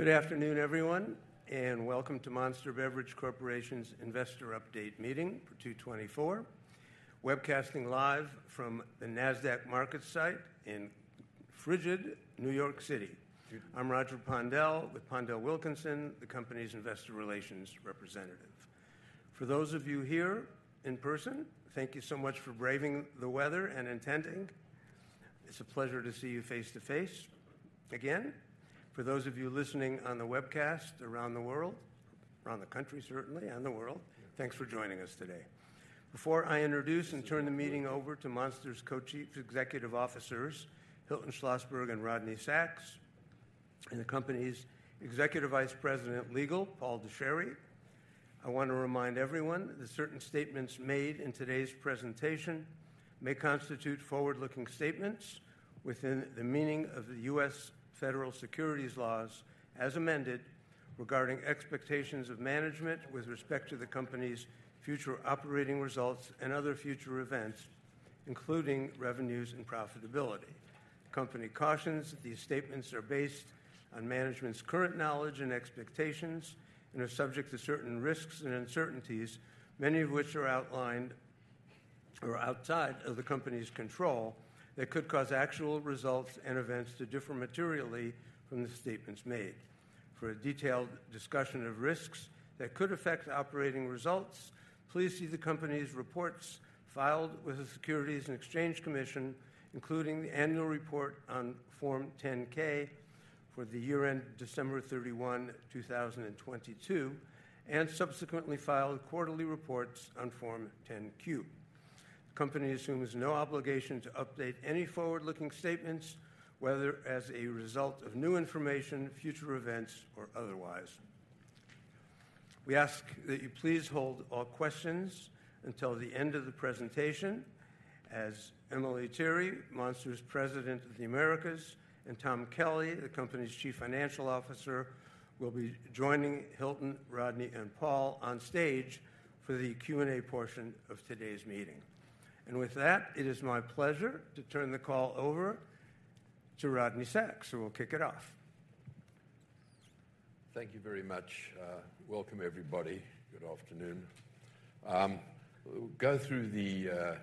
Good afternoon, everyone, and welcome to Monster Beverage Corporation's Investor Update Meeting for 2024, webcasting live from the Nasdaq MarketSite in frigid New York City. I'm Roger Pondel, with PondelWilkinson, the company's investor relations representative. For those of you here in person, thank you so much for braving the weather and attending. It's a pleasure to see you face-to-face again. For those of you listening on the webcast around the world, around the country, certainly, and the world, thanks for joining us today. Before I introduce and turn the meeting over to Monster's Co-Chief Executive Officers, Hilton Schlosberg and Rodney Sacks, and the company's Executive Vice President, Legal, Paul Dechary, I want to remind everyone that certain statements made in today's presentation may constitute forward-looking statements within the meaning of the U.S. federal securities laws, as amended, regarding expectations of management with respect to the company's future operating results and other future events, including revenues and profitability. The company cautions that these statements are based on management's current knowledge and expectations and are subject to certain risks and uncertainties, many of which are outlined or outside of the company's control, that could cause actual results and events to differ materially from the statements made. For a detailed discussion of risks that could affect the operating results, please see the company's reports filed with the Securities and Exchange Commission, including the annual report on Form 10-K for the year ended December 31, 2022, and subsequently filed quarterly reports on Form 10-Q. The company assumes no obligation to update any forward-looking statements, whether as a result of new information, future events, or otherwise. We ask that you please hold all questions until the end of the presentation, as Emelie Tirre, Monster's President of the Americas, and Tom Kelly, the company's Chief Financial Officer, will be joining Hilton, Rodney, and Paul on stage for the Q&A portion of today's meeting. With that, it is my pleasure to turn the call over to Rodney Sacks, who will kick it off. Thank you very much. Welcome, everybody. Good afternoon. We'll go through the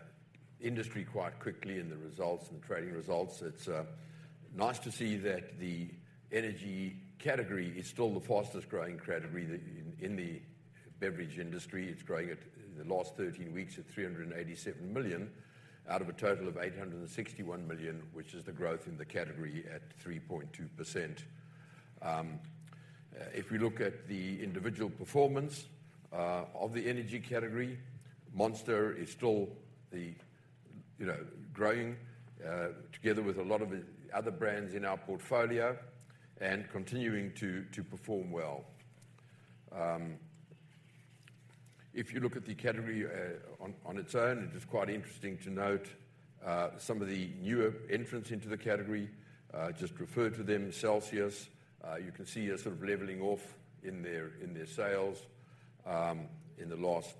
industry quite quickly and the results, and the trading results. It's nice to see that the energy category is still the fastest-growing category that... In the beverage industry. It's growing at the last 13 weeks at $387 million out of a total of $861 million, which is the growth in the category at 3.2%. If we look at the individual performance of the energy category, Monster is still the, you know, growing together with a lot of the other brands in our portfolio and continuing to perform well. If you look at the category, on its own, it is quite interesting to note some of the newer entrants into the category, just referred to them, Celsius. You can see a sort of leveling off in their sales in the last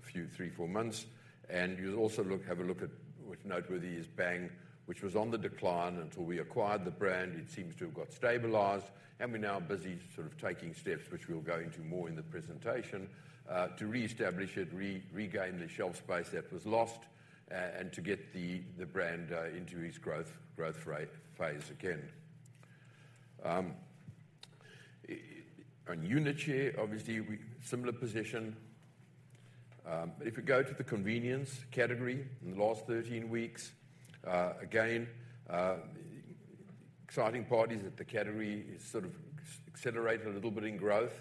few, three, four months. And you'll also have a look at which is noteworthy, Bang, which was on the decline until we acquired the brand. It seems to have got stabilized, and we're now busy sort of taking steps, which we'll go into more in the presentation, to reestablish it, regain the shelf space that was lost, and to get the brand into its growth phase again. On unit share, obviously, we similar position. But if you go to the convenience category in the last 13 weeks, again, the exciting part is that the category is sort of accelerated a little bit in growth.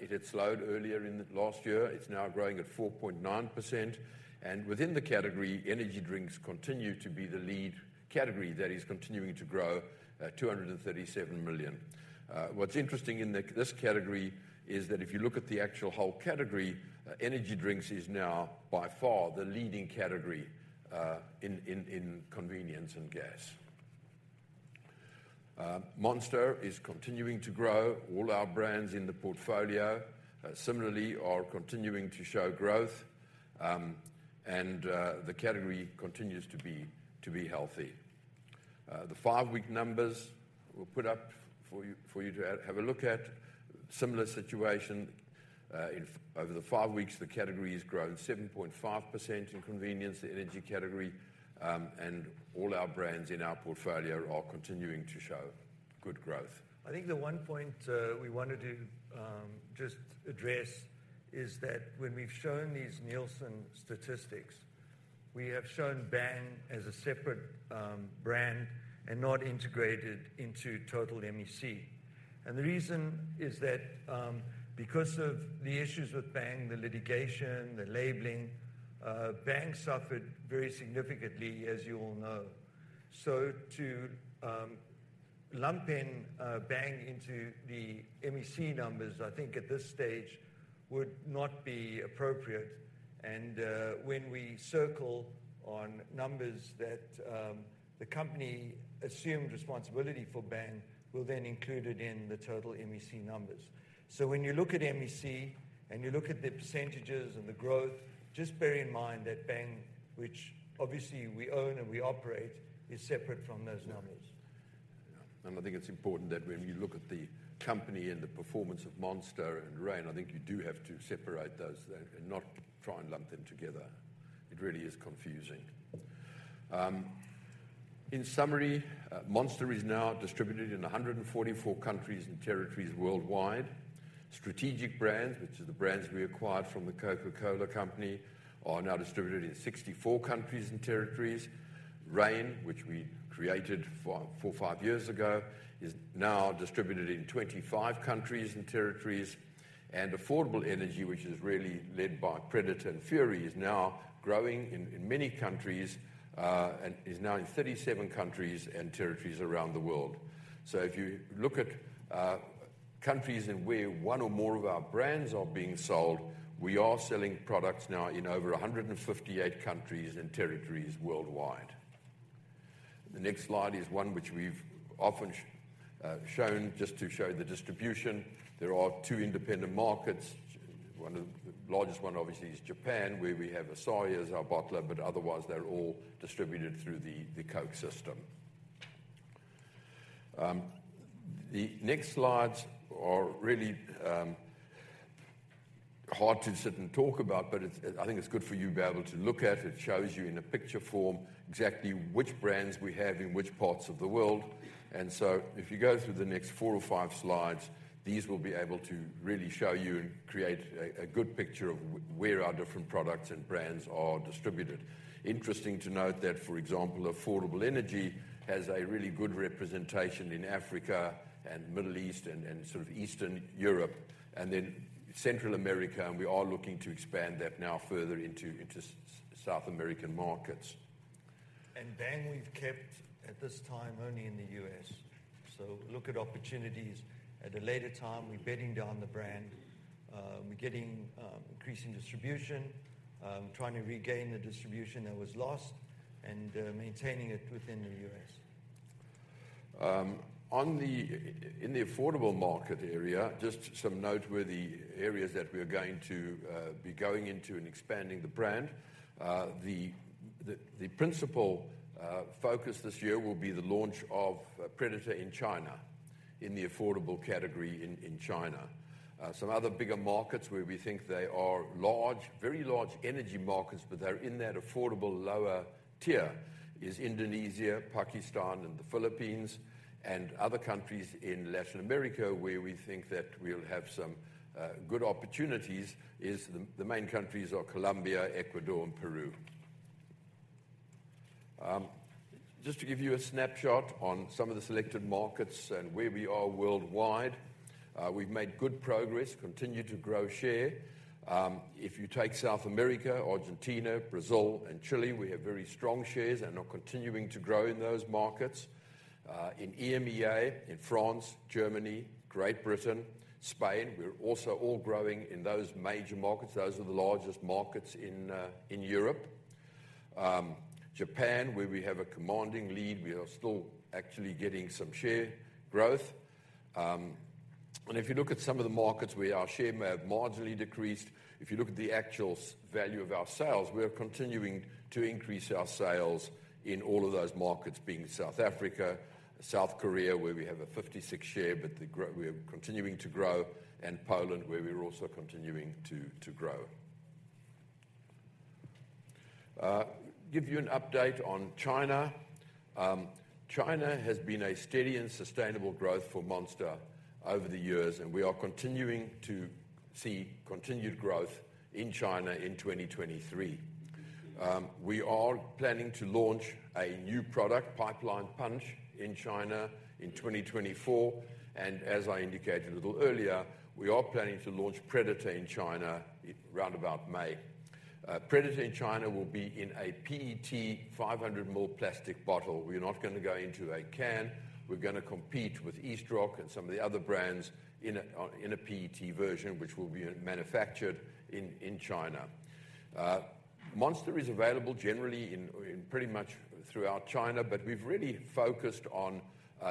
It had slowed earlier in the last year. It's now growing at 4.9%, and within the category, energy drinks continue to be the lead category that is continuing to grow at $237 million. What's interesting in this category is that if you look at the actual whole category, energy drinks is now by far the leading category in convenience and gas. Monster is continuing to grow. All our brands in the portfolio similarly are continuing to show growth, and the category continues to be healthy. The 5-week numbers were put up for you, for you to have a look at. Similar situation. Over the 5 weeks, the category has grown 7.5% in convenience, the energy category, and all our brands in our portfolio are continuing to show good growth. I think the one point we wanted to just address is that when we've shown these Nielsen statistics, we have shown Bang as a separate brand and not integrated into total MEC. And the reason is that because of the issues with Bang, the litigation, the labeling, Bang suffered very significantly, as you all know. So to lump in Bang into the MEC numbers, I think at this stage, would not be appropriate. And when we circle on numbers that the company assumed responsibility for Bang, we'll then include it in the total MEC numbers. So when you look at MEC, and you look at the percentages and the growth, just bear in mind that Bang, which obviously we own and we operate, is separate from those numbers.... and I think it's important that when you look at the company and the performance of Monster and Reign, I think you do have to separate those and not try and lump them together. It really is confusing. In summary, Monster is now distributed in 144 countries and territories worldwide. Strategic brands, which are the brands we acquired from the Coca-Cola Company, are now distributed in 64 countries and territories. Reign, which we created 4 or 5 years ago, is now distributed in 25 countries and territories. And Affordable Energy, which is really led by Predator and Fury, is now growing in many countries and is now in 37 countries and territories around the world. So if you look at countries in where one or more of our brands are being sold, we are selling products now in over 158 countries and territories worldwide. The next slide is one which we've often shown just to show the distribution. There are two independent markets. One of the largest one, obviously, is Japan, where we have Asahi as our bottler, but otherwise, they're all distributed through the Coke system. The next slides are really hard to sit and talk about, but it's, I think it's good for you to be able to look at. It shows you in a picture form exactly which brands we have in which parts of the world. So if you go through the next four or five slides, these will be able to really show you and create a good picture of where our different products and brands are distributed. Interesting to note that, for example, Affordable Energy has a really good representation in Africa and Middle East and sort of Eastern Europe and then Central America, and we are looking to expand that now further into South American markets. Bang, we've kept at this time, only in the U.S. Look at opportunities at a later time. We're bedding down the brand. We're getting increasing distribution, trying to regain the distribution that was lost and maintaining it within the U.S. On the in the affordable market area, just some noteworthy areas that we are going to be going into and expanding the brand. The principal focus this year will be the launch of Predator in China, in the affordable category in China. Some other bigger markets where we think they are large, very large energy markets, but they're in that affordable lower tier, is Indonesia, Pakistan, and the Philippines, and other countries in Latin America, where we think that we'll have some good opportunities, is the main countries are Colombia, Ecuador, and Peru. Just to give you a snapshot on some of the selected markets and where we are worldwide, we've made good progress, continue to grow share. If you take South America, Argentina, Brazil, and Chile, we have very strong shares and are continuing to grow in those markets. In EMEA, in France, Germany, Great Britain, Spain, we're also all growing in those major markets. Those are the largest markets in Europe. Japan, where we have a commanding lead, we are still actually getting some share growth. And if you look at some of the markets where our share may have marginally decreased, if you look at the actual value of our sales, we are continuing to increase our sales in all of those markets, being South Africa, South Korea, where we have a 56% share, but we are continuing to grow, and Poland, where we're also continuing to grow. Give you an update on China. China has been a steady and sustainable growth for Monster over the years, and we are continuing to see continued growth in China in 2023. We are planning to launch a new product, Pipeline Punch, in China in 2024, and as I indicated a little earlier, we are planning to launch Predator in China around about May. Predator in China will be in a PET 500 ml plastic bottle. We're not gonna go into a can. We're gonna compete with Eastroc and some of the other brands in a in a PET version, which will be manufactured in China. Monster is available generally in pretty much throughout China, but we've really focused on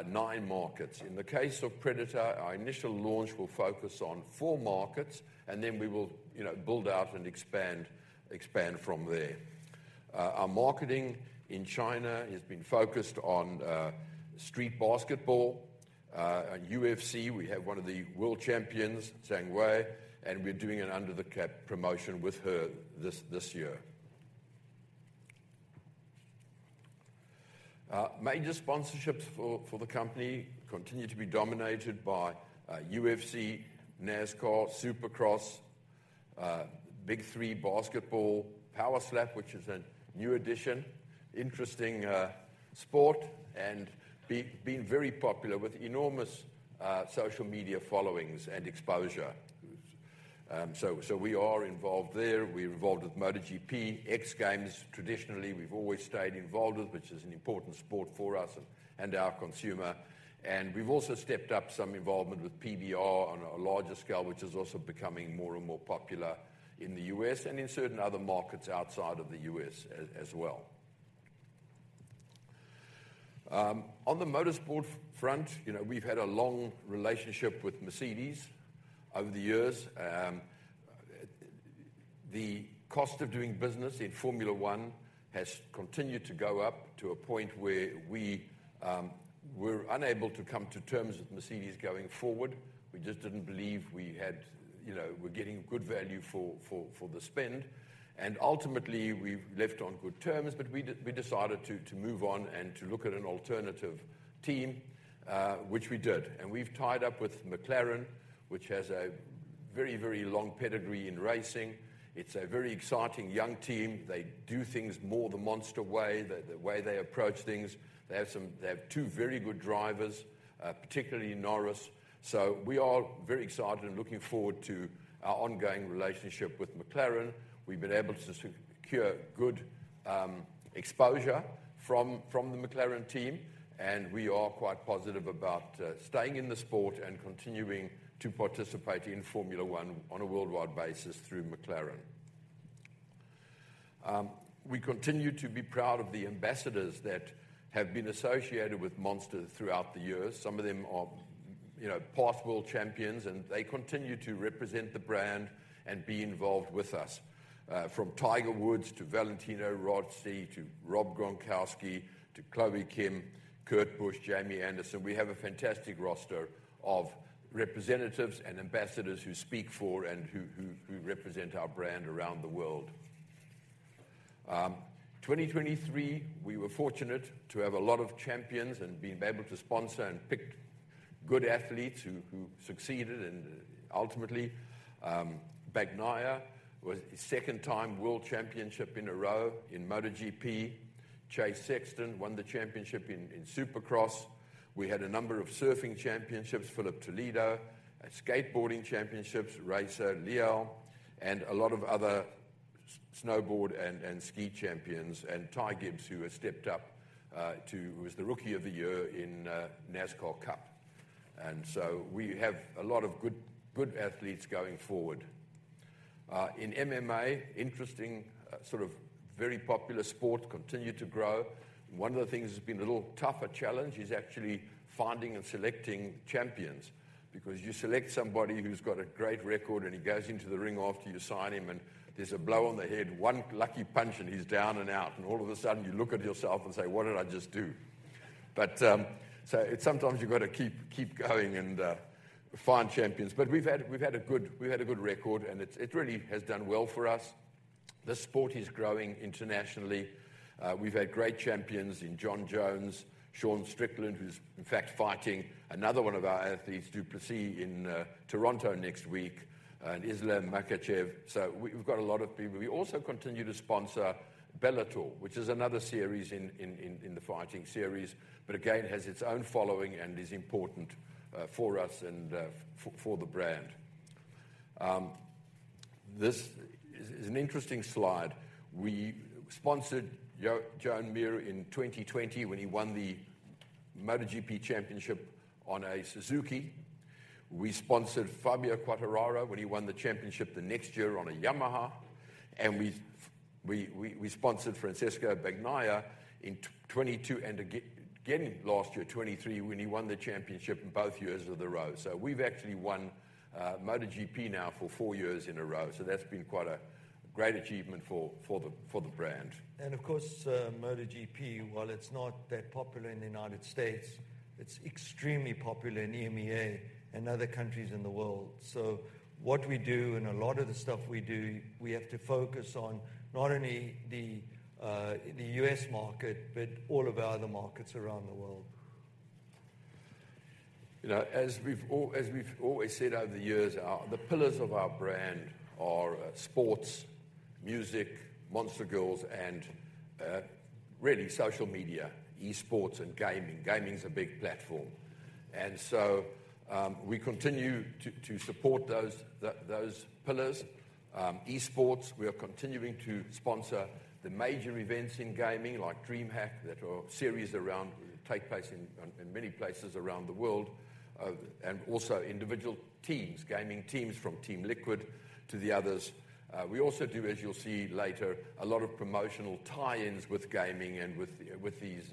nine markets. In the case of Predator, our initial launch will focus on four markets, and then we will, you know, build out and expand from there. Our marketing in China has been focused on street basketball and UFC. We have one of the world champions, Weili Zhang, and we're doing an under-the-cap promotion with her this year. Major sponsorships for the company continue to be dominated by UFC, NASCAR, Supercross, BIG3 Basketball, Power Slap, which is a new addition. Interesting sport and being very popular with enormous social media followings and exposure. So we are involved there. We're involved with MotoGP, X Games. Traditionally, we've always stayed involved with, which is an important sport for us and our consumer. We've also stepped up some involvement with PBR on a larger scale, which is also becoming more and more popular in the U.S. and in certain other markets outside of the U.S. as well. On the motorsport front, you know, we've had a long relationship with Mercedes over the years. The cost of doing business in Formula One has continued to go up to a point where we were unable to come to terms with Mercedes going forward. We just didn't believe we had, you know, were getting good value for the spend. Ultimately, we've left on good terms, but we decided to move on and to look at an alternative team, which we did. And we've tied up with McLaren, which has a very, very long pedigree in racing. It's a very exciting young team. They do things more the Monster way, the way they approach things. They have two very good drivers, particularly Norris. So we are very excited and looking forward to our ongoing relationship with McLaren. We've been able to secure good exposure from the McLaren team, and we are quite positive about staying in the sport and continuing to participate in Formula One on a worldwide basis through McLaren. We continue to be proud of the ambassadors that have been associated with Monster throughout the years. Some of them are, you know, past world champions, and they continue to represent the brand and be involved with us. From Tiger Woods to Valentino Rossi to Rob Gronkowski to Chloe Kim, Kurt Busch, Jamie Anderson. We have a fantastic roster of representatives and ambassadors who speak for and who represent our brand around the world. In 2023, we were fortunate to have a lot of champions and being able to sponsor and pick good athletes who succeeded, and ultimately, Bagnaia won his second-time world championship in a row in MotoGP. Chase Sexton won the championship in Supercross. We had a number of surfing championships, Filipe Toledo, a skateboarding championships, Rayssa Leal, and a lot of other snowboard and ski champions, and Ty Gibbs, who has stepped up to who was the Rookie of the Year in NASCAR Cup. And so we have a lot of good athletes going forward. In MMA, interesting, sort of very popular sport, continued to grow. One of the things that's been a little tougher challenge is actually finding and selecting champions, because you select somebody who's got a great record, and he goes into the ring after you sign him, and there's a blow on the head, one lucky punch, and he's down and out. All of a sudden, you look at yourself and say: What did I just do? But, so it's sometimes you've got to keep, keep going and find champions. We've had, we've had a good, we've had a good record, and it's, it really has done well for us. The sport is growing internationally. We've had great champions in Jon Jones, Sean Strickland, who's in fact fighting another one of our athletes, Dricus du Plessis, in Toronto next week, and Islam Makhachev. So we've, we've got a lot of people. We also continue to sponsor Bellator, which is another series in the fighting series, but again, has its own following and is important for us and for the brand. This is an interesting slide. We sponsored Joan Mir in 2020, when he won the MotoGP Championship on a Suzuki. We sponsored Fabio Quartararo when he won the championship the next year on a Yamaha, and we sponsored Francesco Bagnaia in 2022 and again last year, 2023, when he won the championship in both years in a row. So we've actually won MotoGP now for 4 years in a row, so that's been quite a great achievement for the brand. Of course, MotoGP, while it's not that popular in the United States, it's extremely popular in EMEA and other countries in the world. So what we do and a lot of the stuff we do, we have to focus on not only the, the U.S. market, but all of our other markets around the world. As we've always said over the years, our, the pillars of our brand are, sports, music, Monster Girls, and, really social media, e-sports and gaming. Gaming is a big platform. And so, we continue to support those, those pillars. E-sports, we are continuing to sponsor the major events in gaming, like DreamHack, that are series around, take place in many places around the world, and also individual teams, gaming teams, from Team Liquid to the others. We also do, as you'll see later, a lot of promotional tie-ins with gaming and with the, with these,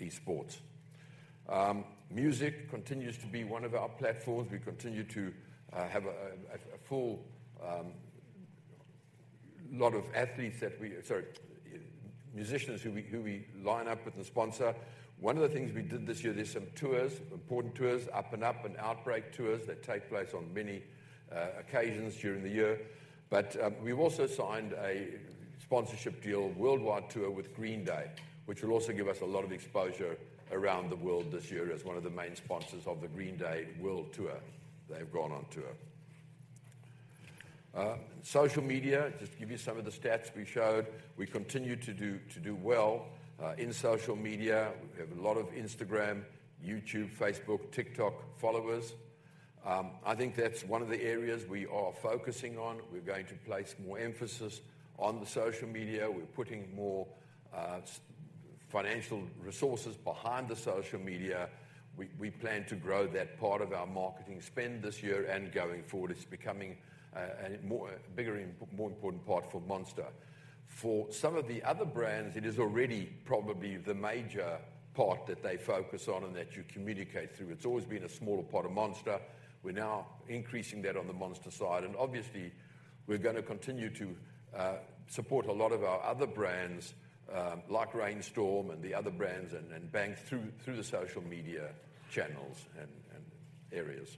e-sports. Music continues to be one of our platforms. We continue to have a full lot of athletes that we... Sorry, musicians who we line up with and sponsor. One of the things we did this year, there's some tours, important tours, Up & Up and Outbreak tours that take place on many occasions during the year. But we've also signed a sponsorship deal, worldwide tour with Green Day, which will also give us a lot of exposure around the world this year as one of the main sponsors of the Green Day World Tour. They've gone on tour. Social media, just to give you some of the stats we showed, we continue to do well in social media. We have a lot of Instagram, YouTube, Facebook, TikTok followers. I think that's one of the areas we are focusing on. We're going to place more emphasis on the social media. We're putting more financial resources behind the social media. We plan to grow that part of our marketing spend this year and going forward. It's becoming a bigger and more important part for Monster. For some of the other brands, it is already probably the major part that they focus on and that you communicate through. It's always been a smaller part of Monster. We're now increasing that on the Monster side, and obviously, we're gonna continue to support a lot of our other brands, like Reign Storm and the other brands and Bang through the social media channels and areas.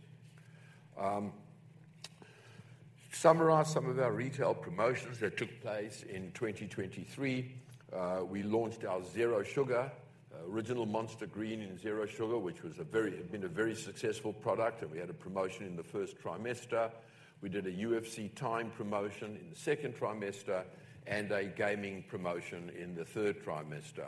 Summarize some of our retail promotions that took place in 2023. We launched our Zero Sugar original Monster Green and Zero Sugar, which have been a very successful product, and we had a promotion in the first trimester. We did a UFC time promotion in the second trimester and a gaming promotion in the third trimester.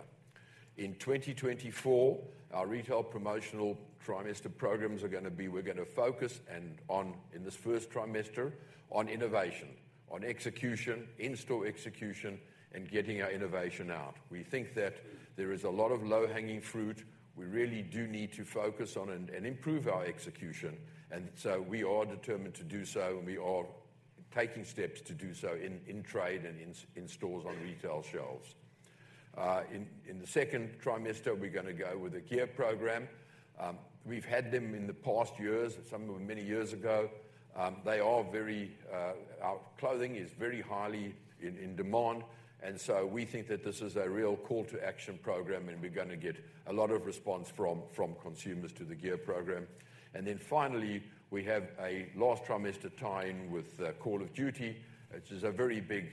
In 2024, our retail promotional trimester programs are gonna be. We're gonna focus on, in this first trimester, on innovation, on execution, in-store execution, and getting our innovation out. We think that there is a lot of low-hanging fruit. We really do need to focus on and improve our execution, and so we are determined to do so, and we are taking steps to do so in trade and in stores on retail shelves. In the second trimester, we're gonna go with a gear program. We've had them in the past years, some of them many years ago. They are very... Our clothing is very highly in demand, and so we think that this is a real call-to-action program, and we're gonna get a lot of response from consumers to the gear program. And then finally, we have a last trimester tie-in with Call of Duty, which is a very big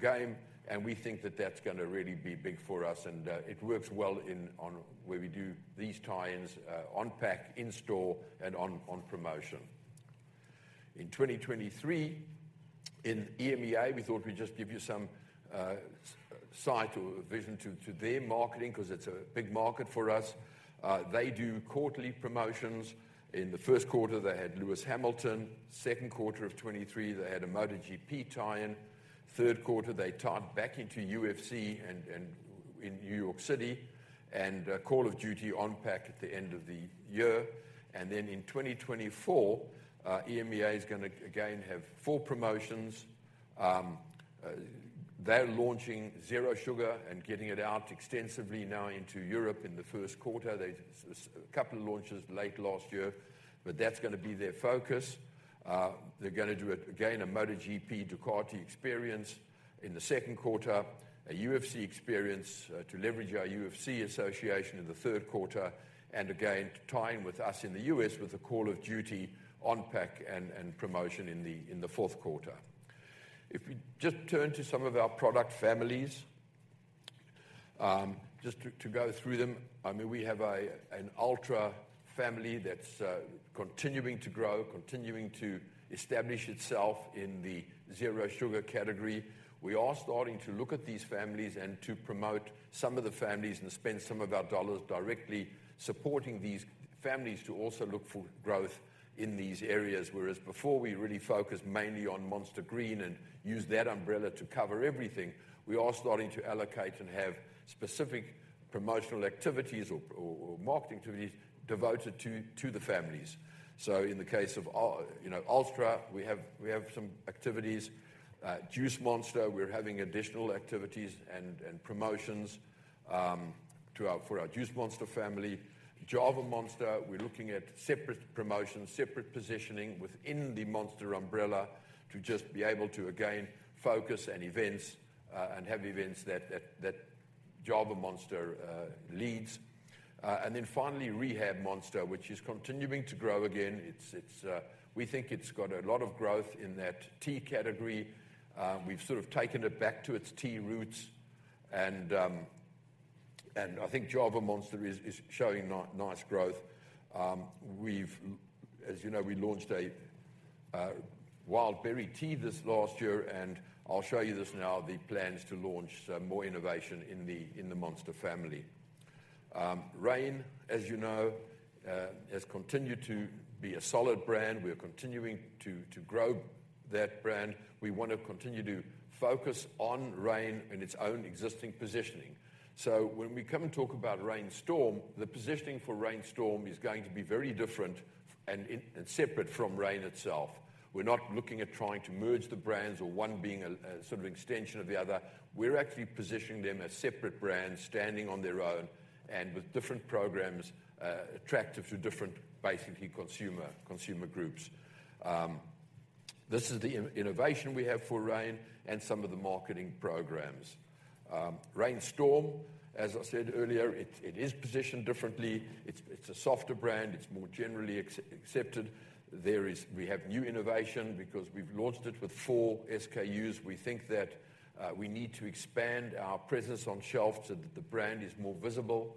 game, and we think that that's gonna really be big for us, and it works well in on where we do these tie-ins, on pack, in store, and on promotion. In 2023, in EMEA, we thought we'd just give you some sight or vision to their marketing, 'cause it's a big market for us. They do quarterly promotions. In the first quarter, they had Lewis Hamilton. Second quarter of 2023, they had a MotoGP tie-in. Third quarter, they tied back into UFC and in New York City, and Call of Duty on pack at the end of the year. And then in 2024, EMEA is gonna again have 4 promotions. They're launching Zero Sugar and getting it out extensively now into Europe in the first quarter. There's a couple of launches late last year, but that's gonna be their focus. They're gonna do it again, a MotoGP Ducati experience in the second quarter, a UFC experience to leverage our UFC association in the third quarter, and again, to tie in with us in the U.S. with the Call of Duty on pack and promotion in the fourth quarter. If we just turn to some of our product families, just to go through them, I mean, we have an Ultra family that's continuing to grow, continuing to establish itself in the Zero Sugar category. We are starting to look at these families and to promote some of the families and spend some of our dollars directly supporting these families to also look for growth in these areas. Whereas before, we really focused mainly on Monster Green and used that umbrella to cover everything. We are starting to allocate and have specific promotional activities or marketing activities devoted to the families. So in the case of, you know, Ultra, we have some activities. Juice Monster, we're having additional activities and promotions for our Juice Monster family. Java Monster, we're looking at separate promotions, separate positioning within the Monster umbrella to just be able to again focus on events, and have events that Java Monster leads. And then finally, Rehab Monster, which is continuing to grow again. We think it's got a lot of growth in that tea category. We've sort of taken it back to its tea roots and I think Java Monster is showing nice growth. We've, as you know, we launched a wild berry tea this last year, and I'll show you this now, the plans to launch more innovation in the Monster family. Reign, as you know, has continued to be a solid brand. We are continuing to grow that brand. We want to continue to focus on Reign and its own existing positioning. So when we come and talk about Reign Storm, the positioning for Reign Storm is going to be very different and separate from Reign itself. We're not looking at trying to merge the brands or one being a sort of extension of the other. We're actually positioning them as separate brands, standing on their own and with different programs, attractive to different, basically, consumer groups. This is the innovation we have for Reign and some of the marketing programs. Reign Storm, as I said earlier, it is positioned differently. It's a softer brand; it's more generally accepted. We have new innovation because we've launched it with four SKUs. We think that we need to expand our presence on shelf so that the brand is more visible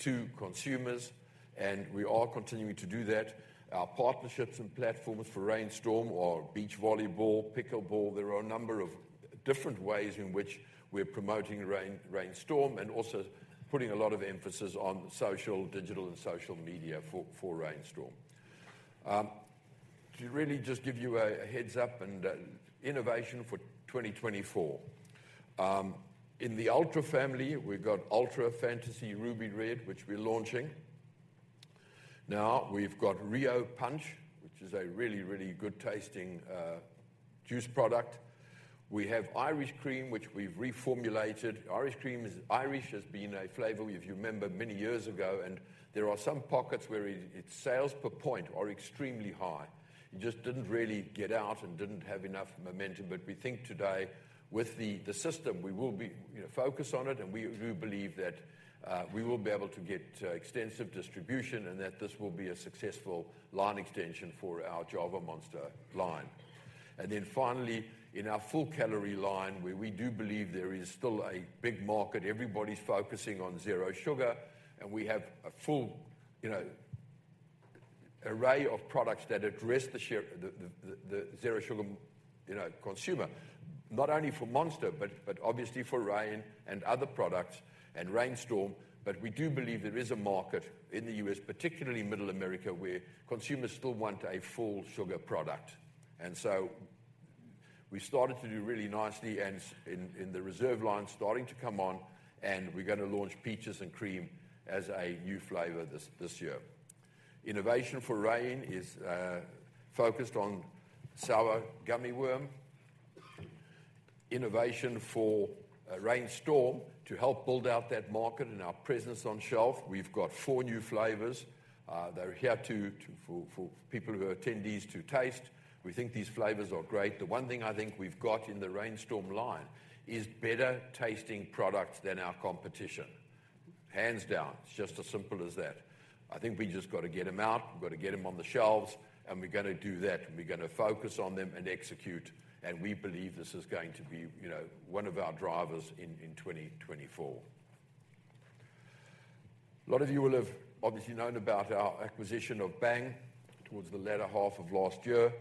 to consumers, and we are continuing to do that. Our partnerships and platforms for Reign Storm are beach volleyball, pickleball. There are a number of different ways in which we're promoting Reign Storm, and also putting a lot of emphasis on social, digital and social media for Reign Storm. To really just give you a heads up and innovation for 2024. In the Ultra family, we've got Ultra Fantasy Ruby Red, which we're launching. Now, we've got Rio Punch, which is a really, really good-tasting juice product. We have Irish Crème, which we've reformulated. Irish Crème is, Irish has been a flavor, if you remember, many years ago, and there are some pockets where it, it's sales per point are extremely high. It just didn't really get out and didn't have enough momentum. But we think today, with the system, we will be, you know, focused on it, and we do believe that we will be able to get extensive distribution and that this will be a successful line extension for our Java Monster line. And then finally, in our full-calorie line, where we do believe there is still a big market, everybody's focusing on zero sugar, and we have a full, you know, array of products that address the share, the zero sugar, you know, consumer. Not only for Monster, but obviously for Reign and other products and Reign Storm. But we do believe there is a market in the U.S., particularly Middle America, where consumers still want a full sugar product. We started to do really nicely in the Reserve line, starting to come on, and we're gonna launch Peaches n' Crème as a new flavor this year. Innovation for Reign is focused on Sour Gummy Worm. Innovation for Reign Storm, to help build out that market and our presence on shelf, we've got four new flavors. They're here for people who are attendees to taste. We think these flavors are great. The one thing I think we've got in the Reign Storm line is better-tasting products than our competition. Hands down. It's just as simple as that. We've just got to get them out, we've got to get them on the shelves, and we're gonna do that, and we're gonna focus on them and execute, and we believe this is going to be, you know, one of our drivers in 2024. A lot of you will have obviously known about our acquisition of Bang towards the latter half of last year.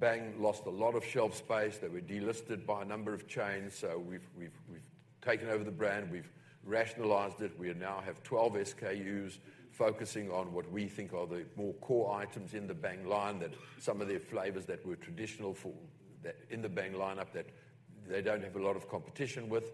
Bang lost a lot of shelf space. They were delisted by a number of chains, so we've, we've, we've taken over the brand, we've rationalized it. We now have 12 SKUs focusing on what we think are the more core items in the Bang line, that some of their flavors that were traditional for... that in the Bang lineup, that they don't have a lot of competition with.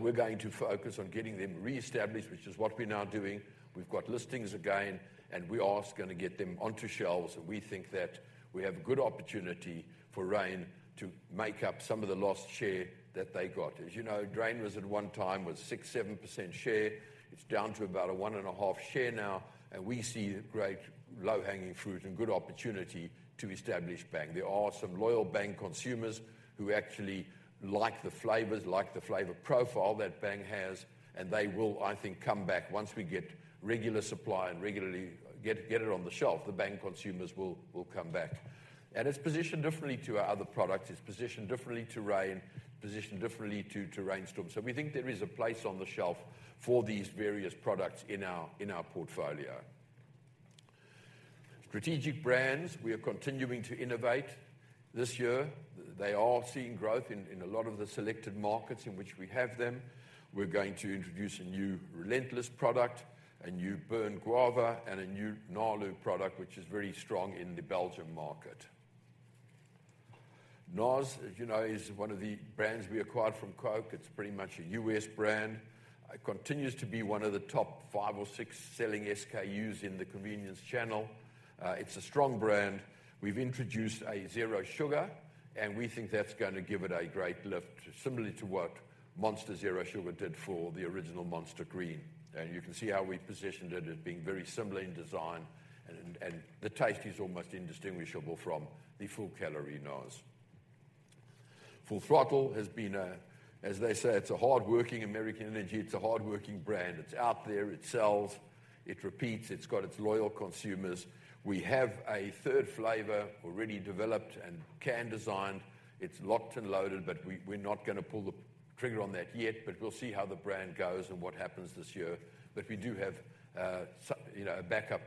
We're going to focus on getting them reestablished, which is what we're now doing. We've got listings again, and we are also going to get them onto shelves, and we think that we have a good opportunity for Reign to make up some of the lost share that they got. As you know, Reign was at one time 6%-7% share. It's down to about a 1.5% share now, and we see great low-hanging fruit and good opportunity to establish Bang. There are some loyal Bang consumers who actually like the flavors, like the flavor profile that Bang has, and they will, I think, come back. Once we get regular supply and regularly get it on the shelf, the Bang consumers will come back. And it's positioned differently to our other products. It's positioned differently to Reign, positioned differently to, to Reign Storm. So we think there is a place on the shelf for these various products in our, in our portfolio. Strategic brands, we are continuing to innovate this year. They are seeing growth in, in a lot of the selected markets in which we have them. We're going to introduce a new Relentless product, a new Burn Guava, and a new Nalu product, which is very strong in the Belgium market. NOS, as you know, is one of the brands we acquired from Coke. It's pretty much a U.S. brand. It continues to be one of the top five or six selling SKUs in the convenience channel. It's a strong brand. We've introduced a zero sugar, and we think that's going to give it a great lift, similarly to what Monster Zero Sugar did for the original Monster Green. You can see how we've positioned it as being very similar in design, and the taste is almost indistinguishable from the full-calorie NOS. Full Throttle has been a... As they say, it's a hardworking American energy. It's a hardworking brand. It's out there. It sells, it repeats. It's got its loyal consumers. We have a third flavor already developed and can designed. It's locked and loaded, but we, we're not gonna pull the trigger on that yet. We'll see how the brand goes and what happens this year. We do have, some, you know, a backup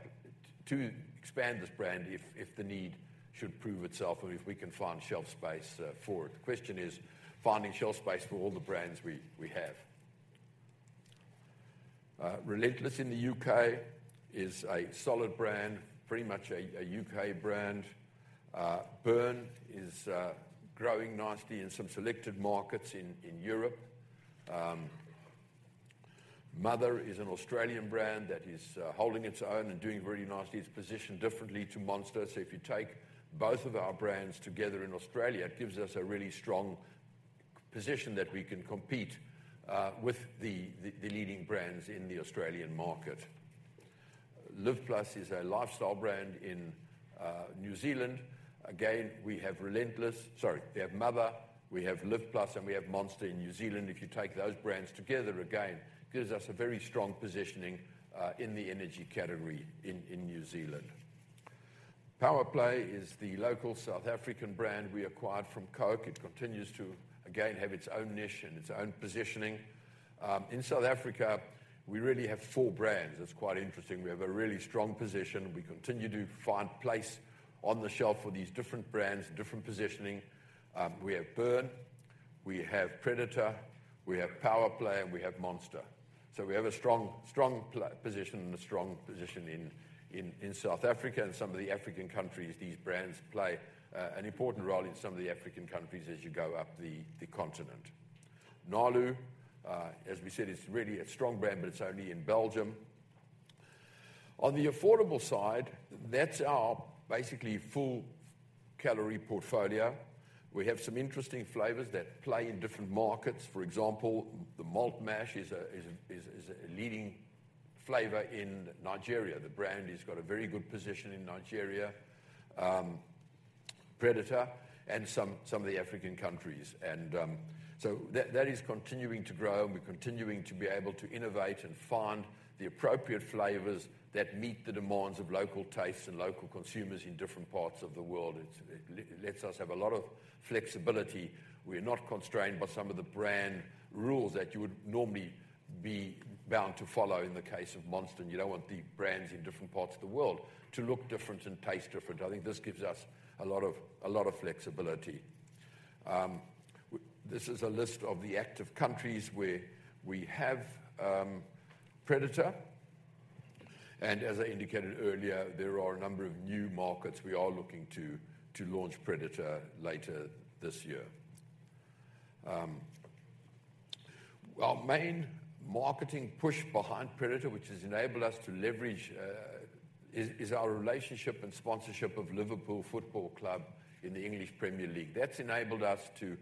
to expand this brand if, if the need should prove itself or if we can find shelf space, for it. The question is finding shelf space for all the brands we, we have. Relentless in the U.K. is a solid brand, pretty much a U.K. brand. Burn is growing nicely in some selected markets in Europe. Mother is an Australian brand that is holding its own and doing really nicely. It's positioned differently to Monster. So if you take both of our brands together in Australia, it gives us a really strong position that we can compete with the leading brands in the Australian market. LIV+ is a lifestyle brand in New Zealand. Again, we have Mother, we have LIV+, and we have Monster in New Zealand. If you take those brands together, again, it gives us a very strong positioning in the energy category in New Zealand. Power Play is the local South African brand we acquired from Coke. It continues to, again, have its own niche and its own positioning. In South Africa, we really have four brands. It's quite interesting. We have a really strong position. We continue to find place on the shelf for these different brands, different positioning. We have Burn, we have Predator, we have Power Play, and we have Monster. So we have a strong, strong position and a strong position in South Africa and some of the African countries. These brands play an important role in some of the African countries as you go up the continent. Nalu, as we said, it's really a strong brand, but it's only in Belgium. On the affordable side, that's our basically full calorie portfolio. We have some interesting flavors that play in different markets. For example, the Malt Mash is a leading flavor in Nigeria. The brand has got a very good position in Nigeria, Predator and some of the African countries. That is continuing to grow, and we're continuing to be able to innovate and find the appropriate flavors that meet the demands of local tastes and local consumers in different parts of the world. It, it lets us have a lot of flexibility. We're not constrained by some of the brand rules that you would normally be bound to follow in the case of Monster, and you don't want the brands in different parts of the world to look different and taste different. I think this gives us a lot of, a lot of flexibility. This is a list of the active countries where we have Predator. And as I indicated earlier, there are a number of new markets we are looking to launch Predator later this year. Our main marketing push behind Predator, which has enabled us to leverage, is our relationship and sponsorship of Liverpool Football Club in the English Premier League. That's enabled us to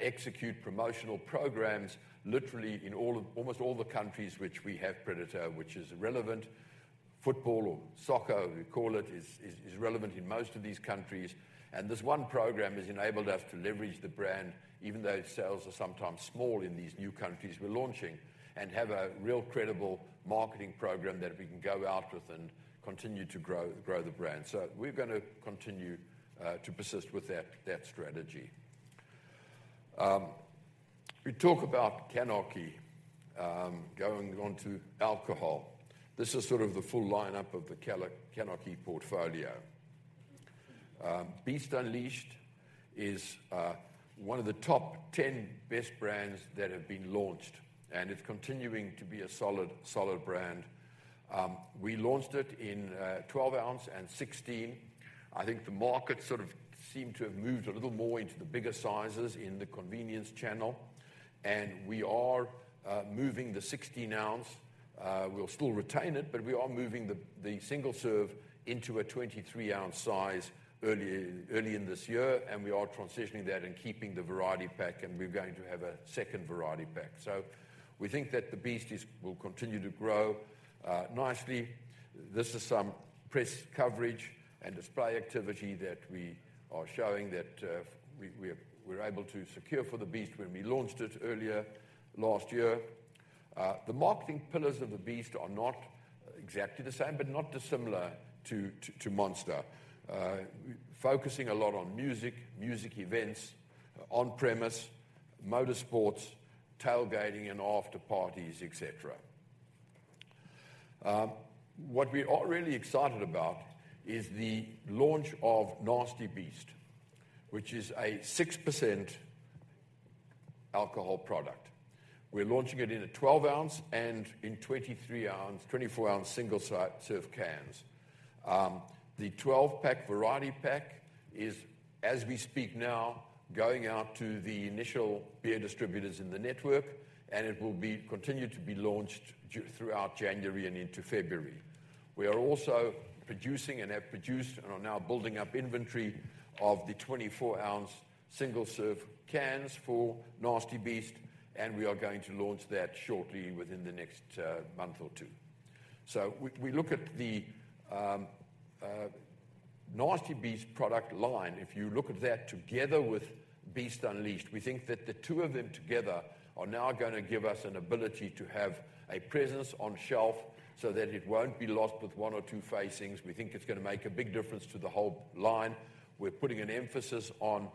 execute promotional programs literally in all of almost all the countries which we have Predator, which is relevant. Football or soccer, we call it, is relevant in most of these countries, and this one program has enabled us to leverage the brand, even though its sales are sometimes small in these new countries we're launching, and have a real credible marketing program that we can go out with and continue to grow the brand. So we're gonna continue to persist with that strategy. We talk about CANarchy going on to alcohol. This is sort of the full lineup of the CANarchy portfolio. Beast Unleashed is one of the top 10 best brands that have been launched, and it's continuing to be a solid, solid brand. We launched it in 12-ounce and 16-ounce. I think the market sort of seemed to have moved a little more into the bigger sizes in the convenience channel, and we are moving the 16-ounce. We'll still retain it, but we are moving the single serve into a 23-ounce size early in this year, and we are transitioning that and keeping the variety pack, and we're going to have a second variety pack. So we think that the Beast will continue to grow nicely. This is some press coverage and display activity that we are showing that we have, we're able to secure for the Beast when we launched it earlier last year. The marketing pillars of the Beast are not exactly the same, but not dissimilar to Monster. Focusing a lot on music, music events, on premise, motorsports, tailgating, and after parties, et cetera. What we are really excited about is the launch of Nasty Beast, which is a 6% alcohol product. We're launching it in a 12-ounce and in 23-ounce, 24-ounce single-serve cans. The 12-pack variety pack is, as we speak now, going out to the initial beer distributors in the network, and it will be continued to be launched throughout January and into February. We are also producing and have produced and are now building up inventory of the 24-ounce single-serve cans for Nasty Beast, and we are going to launch that shortly within the next month or two. We look at the Nasty Beast product line. If you look at that, together with Beast Unleashed, we think that the two of them together are now gonna give us an ability to have a presence on shelf, so that it won't be lost with one or two facings. We think it's gonna make a big difference to the whole line. We're putting an emphasis on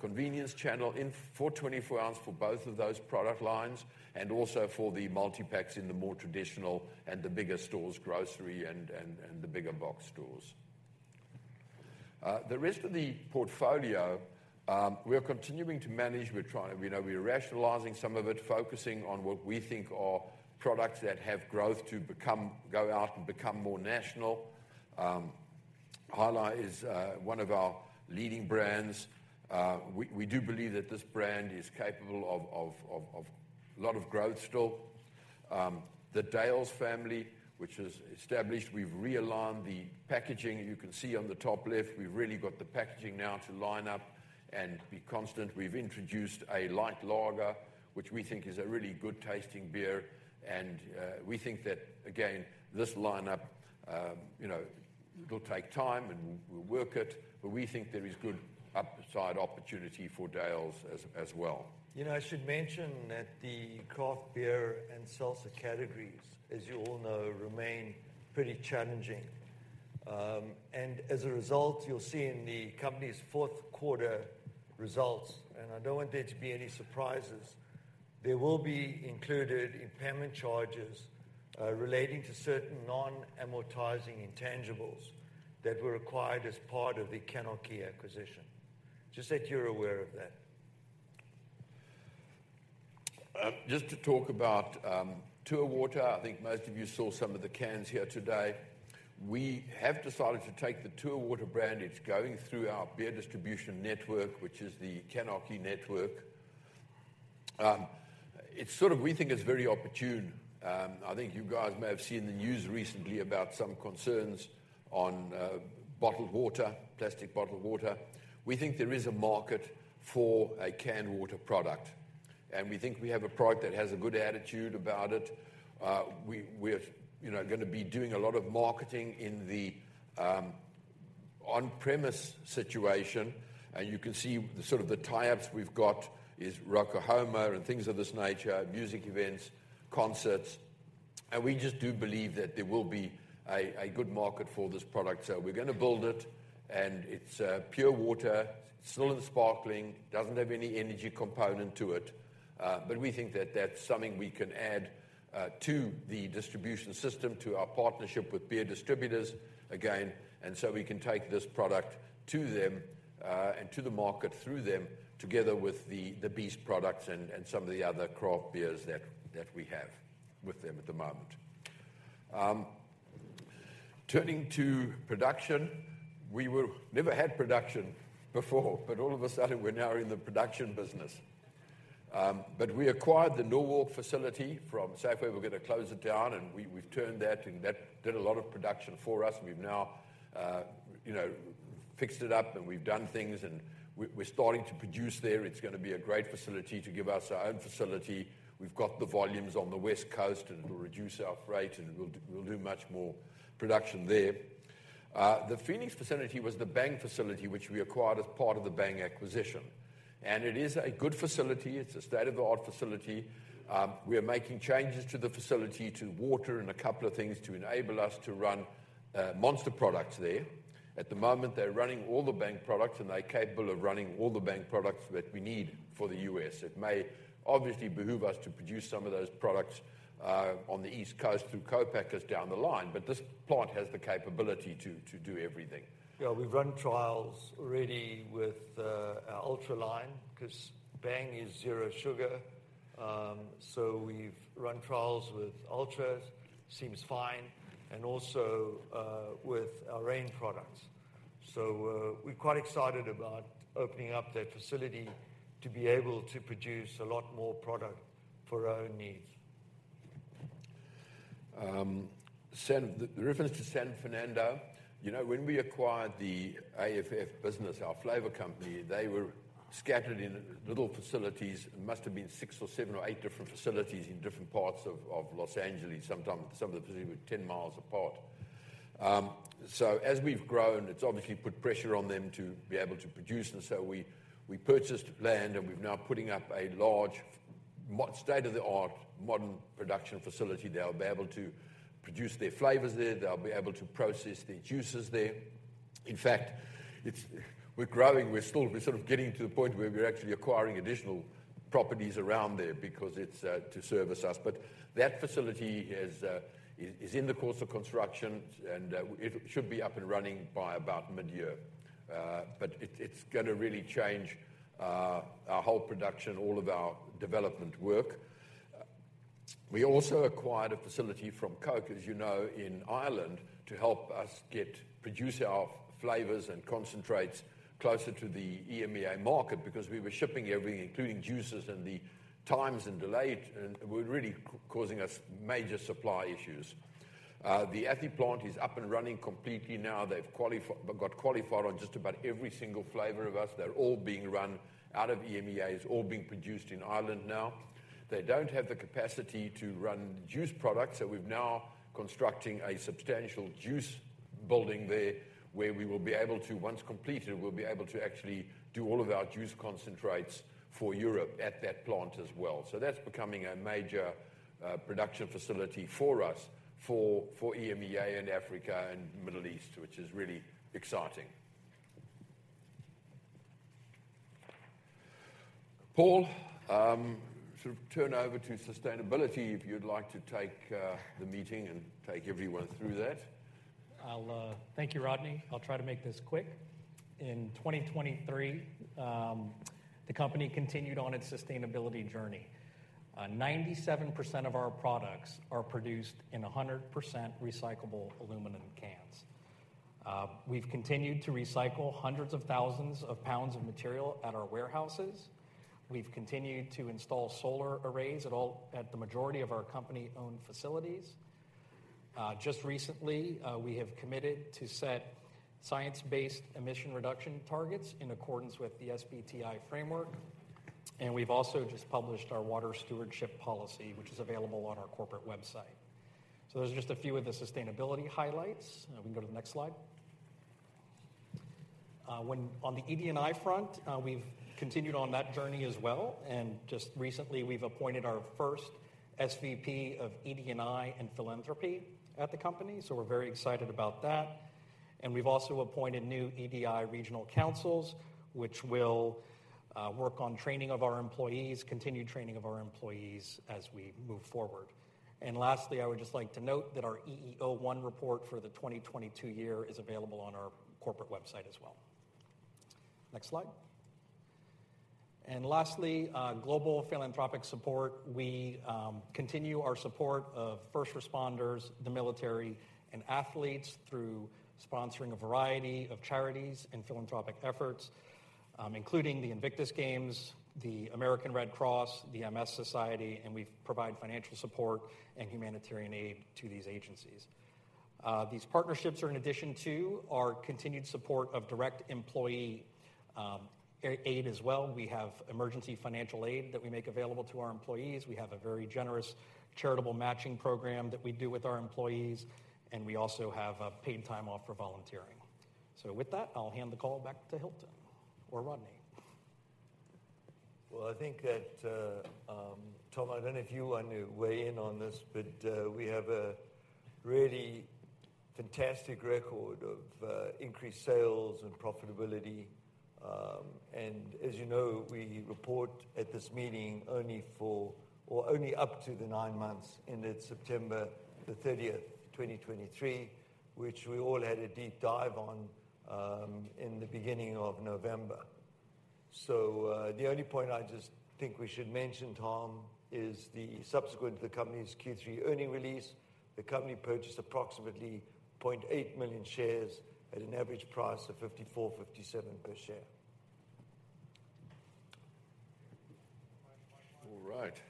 convenience channel in for 24-ounce for both of those product lines and also for the multipacks in the more traditional and the bigger stores, grocery and the bigger box stores. The rest of the portfolio, we are continuing to manage. We're trying, you know, we're rationalizing some of it, focusing on what we think are products that have growth to become, go out and become more national. Jai Alai is one of our leading brands. We do believe that this brand is capable of a lot of growth still. The Dale's family, which is established, we've realigned the packaging. You can see on the top left, we've really got the packaging now to line up and be constant. We've introduced a light lager, which we think is a really good tasting beer, and we think that, again, this lineup, you know, it'll take time, and we'll work it, but we think there is good upside opportunity for Dale's as well. You know, I should mention that the craft beer and seltzer categories, as you all know, remain pretty challenging. And as a result, you'll see in the company's fourth quarter results, and I don't want there to be any surprises, there will be included impairment charges relating to certain non-amortizing intangibles that were acquired as part of the CANarchy acquisition. Just that you're aware of that. Just to talk about Tour Water. I think most of you saw some of the cans here today. We have decided to take the Tour Water brand. It's going through our beer distribution network, which is the CANarchy network. It's sort of, we think it's very opportune. I think you guys may have seen the news recently about some concerns on bottled water, plastic bottled water. We think there is a market for a canned water product, and we think we have a product that has a good attitude about it. We're, you know, gonna be doing a lot of marketing in the on-premise situation. You can see the sort of the tie-ups we've got is Rocklahoma and things of this nature, music events, concerts. We just do believe that there will be a good market for this product. We're gonna build it, and it's pure water, still and sparkling, doesn't have any energy component to it. But we think that that's something we can add to the distribution system, to our partnership with beer distributors again, and so we can take this product to them, and to the market through them, together with the Beast products and some of the other craft beers that we have with them at the moment. Turning to production, we never had production before, but all of a sudden, we're now in the production business. But we acquired the Norwalk facility from Safeway. We're gonna close it down, and we've turned that, and that did a lot of production for us. We've now, you know, fixed it up, and we've done things, and we're starting to produce there. It's gonna be a great facility to give us our own facility. We've got the volumes on the West Coast, and it'll reduce our freight, and we'll, we'll do much more production there. The Phoenix facility was the Bang facility, which we acquired as part of the Bang acquisition, and it is a good facility. It's a state-of-the-art facility. We are making changes to the facility, to water and a couple of things to enable us to run Monster products there. At the moment, they're running all the Bang products, and they're capable of running all the Bang products that we need for the U.S. It may obviously behoove us to produce some of those products on the East Coast through co-packers down the line, but this plant has the capability to, to do everything. Yeah, we've run trials already with our Ultra line, 'cause Bang is zero sugar. So we've run trials with Ultra, seems fine, and also with our Reign products. So we're quite excited about opening up that facility to be able to produce a lot more product for our own needs. Reference to San Fernando, you know, when we acquired the AFF business, our flavor company, they were scattered in little facilities. It must have been six or seven or eight different facilities in different parts of Los Angeles. Sometimes some of the facilities were 10 miles apart. So as we've grown, it's obviously put pressure on them to be able to produce, and so we purchased land, and we've now putting up a large, state-of-the-art, modern production facility. They'll be able to produce their flavors there. They'll be able to process the juices there. In fact, it's... We're growing. We're still, we're sort of getting to the point where we're actually acquiring additional properties around there because it's to service us. That facility is in the course of construction, and it should be up and running by about mid-year. But it, it's gonna really change our whole production, all of our development work. We also acquired a facility from Coke, as you know, in Ireland, to help us produce our flavors and concentrates closer to the EMEA market because we were shipping everything, including juices, and the times and delays were really causing us major supply issues. The Athy plant is up and running completely now. They've got qualified on just about every single flavor of ours. They're all being run out of EMEA; it's all being produced in Ireland now. They don't have the capacity to run juice products, so we've now constructing a substantial juice building there, where we will be able to, once completed, we'll be able to actually do all of our juice concentrates for Europe at that plant as well. So that's becoming a major production facility for us, for EMEA and Africa and Middle East, which is really exciting. Paul, sort of turn over to sustainability, if you'd like to take the meeting and take everyone through that. I'll thank you, Rodney. I'll try to make this quick. In 2023, the company continued on its sustainability journey. 97% of our products are produced in 100% recyclable aluminum cans. We've continued to recycle hundreds of thousands of pounds of material at our warehouses. We've continued to install solar arrays at the majority of our company-owned facilities. Just recently, we have committed to set science-based emission reduction targets in accordance with the SBTi framework. We've also just published our water stewardship policy, which is available on our corporate website. So those are just a few of the sustainability highlights. We can go to the next slide. When, on the ED&I front, we've continued on that journey as well, and just recently, we've appointed our first SVP of ED&I and philanthropy at the company, so we're very excited about that. We've also appointed new EDI regional councils, which will work on training of our employees, continued training of our employees as we move forward. Lastly, I would just like to note that our EEO-1 Report for the 2022 year is available on our corporate website as well. Next slide. Lastly, global philanthropic support. We continue our support of first responders, the military, and athletes through sponsoring a variety of charities and philanthropic efforts, including the Invictus Games, the American Red Cross, the MS Society, and we provide financial support and humanitarian aid to these agencies. These partnerships are in addition to our continued support of direct employee aid as well. We have emergency financial aid that we make available to our employees. We have a very generous charitable matching program that we do with our employees, and we also have paid time off for volunteering. So with that, I'll hand the call back to Hilton or Rodney. Well, I think that, Tom, I don't know if you want to weigh in on this, but, we have a really fantastic record of, increased sales and profitability. And as you know, we report at this meeting only for, or only up to the nine months ended September 30, 2023, which we all had a deep dive on, in the beginning of November. So, the only point I just think we should mention, Tom, is the subsequent to the company's Q3 earnings release. The company purchased approximately 0.8 million shares at an average price of $54.57 per share. All right. No, I think everybody has got these numbers. No sense in going through line by line. I think we've all been through, I think we've all memorized it, and everybody's waiting. It's, it's hard for me, the CFO, to come in here and not be able to speak on fourth quarters or what the plan is for 2024, but that's all I'm allowed to say right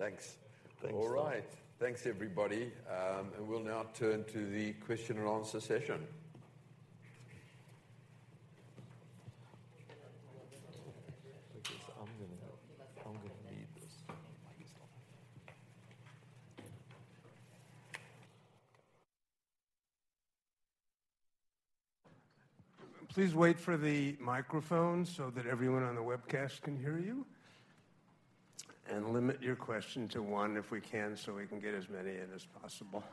now. So, any questions on the 2023 up to September 30th, happy to answer those. Thanks. Thanks. All right. Thanks, everybody. We'll now turn to the question and answer session. I'm gonna read this. Please wait for the microphone so that everyone on the webcast can hear you, and limit your question to one, if we can, so we can get as many in as possible.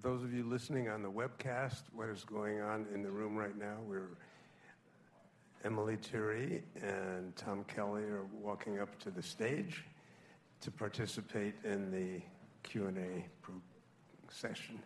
For those of you listening on the webcast, what is going on in the room right now, we're Emelie Tirre and Tom Kelly are walking up to the stage to participate in the Q&A session.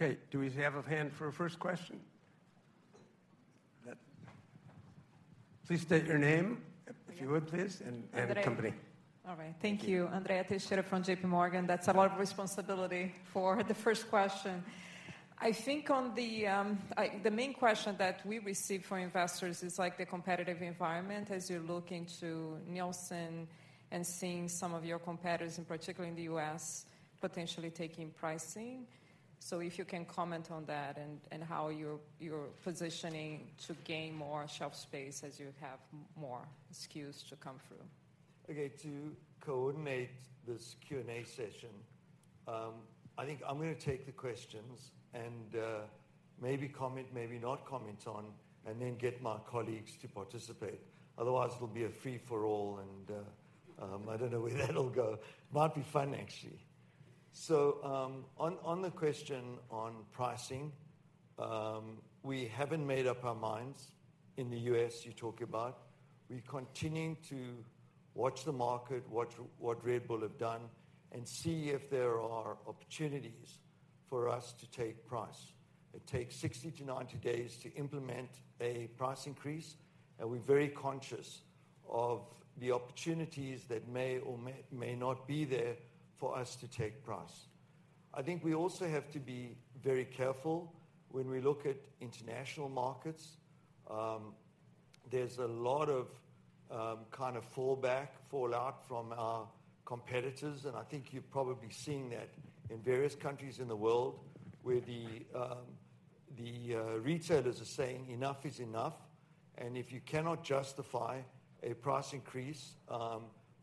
I think we paid extra for these. Okay, do we have a hand for a first question? Please state your name, if you would, please, and company. All right. Thank you. Andrea Teixeira from JPMorgan. That's a lot of responsibility for the first question. I think on the, the main question that we receive from investors is, like, the competitive environment as you're looking to Nielsen and seeing some of your competitors, in particular in the US, potentially taking pricing. So if you can comment on that, and, and how you're, you're positioning to gain more shelf space as you have more SKUs to come through. Okay, to coordinate this Q&A session, I think I'm going to take the questions and, maybe comment, maybe not comment on, and then get my colleagues to participate. Otherwise, it'll be a free-for-all, and, I don't know where that'll go. Might be fun, actually. So, on the question on pricing, we haven't made up our minds in the US, you talk about. We're continuing to watch the market, watch what Red Bull have done, and see if there are opportunities for us to take price. It takes 60-90 days to implement a price increase, and we're very conscious of the opportunities that may or may not be there for us to take price. I think we also have to be very careful when we look at international markets. There's a lot of kind of fallout from our competitors, and I think you've probably seen that in various countries in the world, where the retailers are saying: enough is enough, and if you cannot justify a price increase,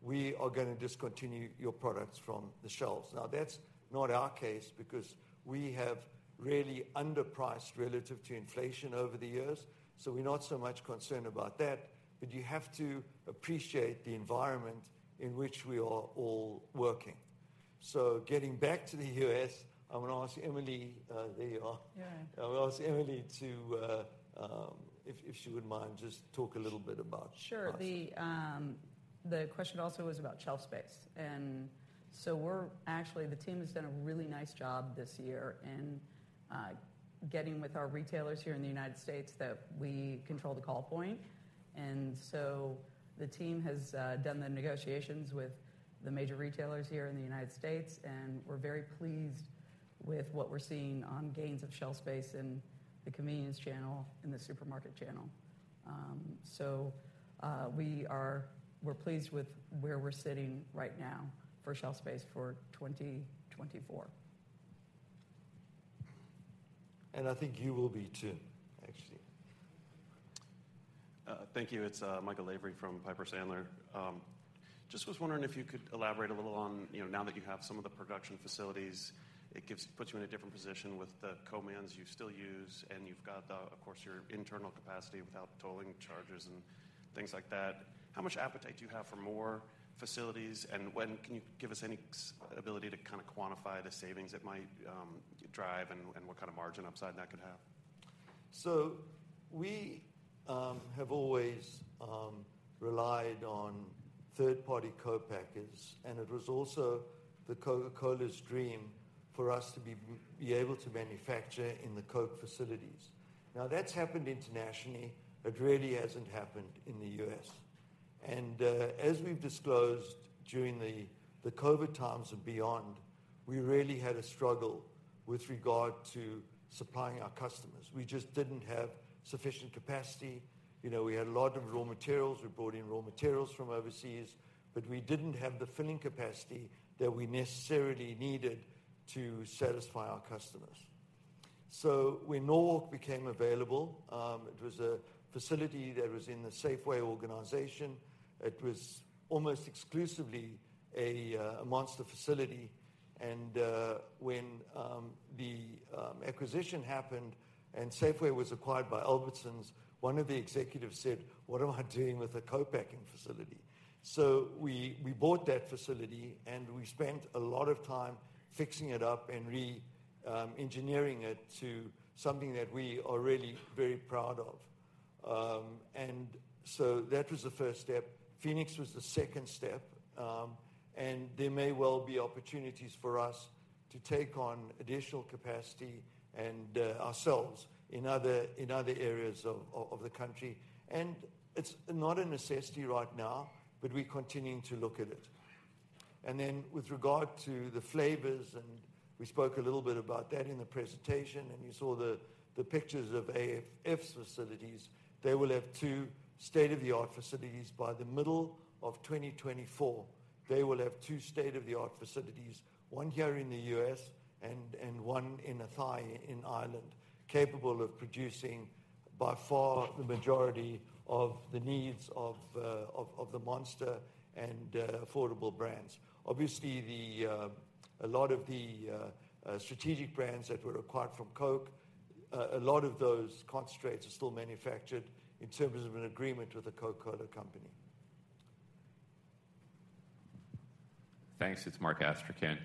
we are gonna discontinue your products from the shelves. Now, that's not our case because we have really underpriced relative to inflation over the years, so we're not so much concerned about that. But you have to appreciate the environment in which we are all working. So getting back to the US, I'm gonna ask Emelie, there you are. Yeah. I'm gonna ask Emelie to, if she wouldn't mind, just talk a little bit about- Sure. The question also was about shelf space, and so we're actually the team has done a really nice job this year in getting with our retailers here in the United States that we control the call point. And so the team has done the negotiations with the major retailers here in the United States, and we're very pleased with what we're seeing on gains of shelf space in the convenience channel and the supermarket channel. So we are, we're pleased with where we're sitting right now for shelf space for 2024. I think you will be, too, actually. Thank you. It's Michael Lavery from Piper Sandler. Just was wondering if you could elaborate a little on, you know, now that you have some of the production facilities, it puts you in a different position with the co-packers you still use, and you've got, of course, your internal capacity without tolling charges and things like that. How much appetite do you have for more facilities, and when... Can you give us any ability to kinda quantify the savings it might drive and what kind of margin upside that could have? We have always relied on third-party co-packers, and it was also the Coca-Cola's dream for us to be able to manufacture in the Coke facilities. Now, that's happened internationally, but really hasn't happened in the U.S. As we've disclosed during the COVID times and beyond, we really had a struggle with regard to supplying our customers. We just didn't have sufficient capacity. You know, we had a lot of raw materials. We brought in raw materials from overseas, but we didn't have the filling capacity that we necessarily needed to satisfy our customers. So when Norwalk became available, it was a facility that was in the Safeway organization. It was almost exclusively a Monster facility, and when the acquisition happened and Safeway was acquired by Albertsons, one of the executives said, "What am I doing with a co-packing facility?" So we, we bought that facility, and we spent a lot of time fixing it up and engineering it to something that we are really very proud of. And so that was the first step. Phoenix was the second step, and there may well be opportunities for us to take on additional capacity and ourselves in other areas of the country. And it's not a necessity right now, but we're continuing to look at it. And then with regard to the flavors, and we spoke a little bit about that in the presentation, and you saw the pictures of AFF's facilities. They will have two state-of-the-art facilities by the middle of 2024. They will have two state-of-the-art facilities, one here in the U.S. and one in Athy, Ireland, capable of producing by far the majority of the needs of the Monster and affordable brands. Obviously, a lot of the strategic brands that were acquired from Coke, a lot of those concentrates are still manufactured in terms of an agreement with the Coca-Cola Company. Thanks. It's Mark Astrachan.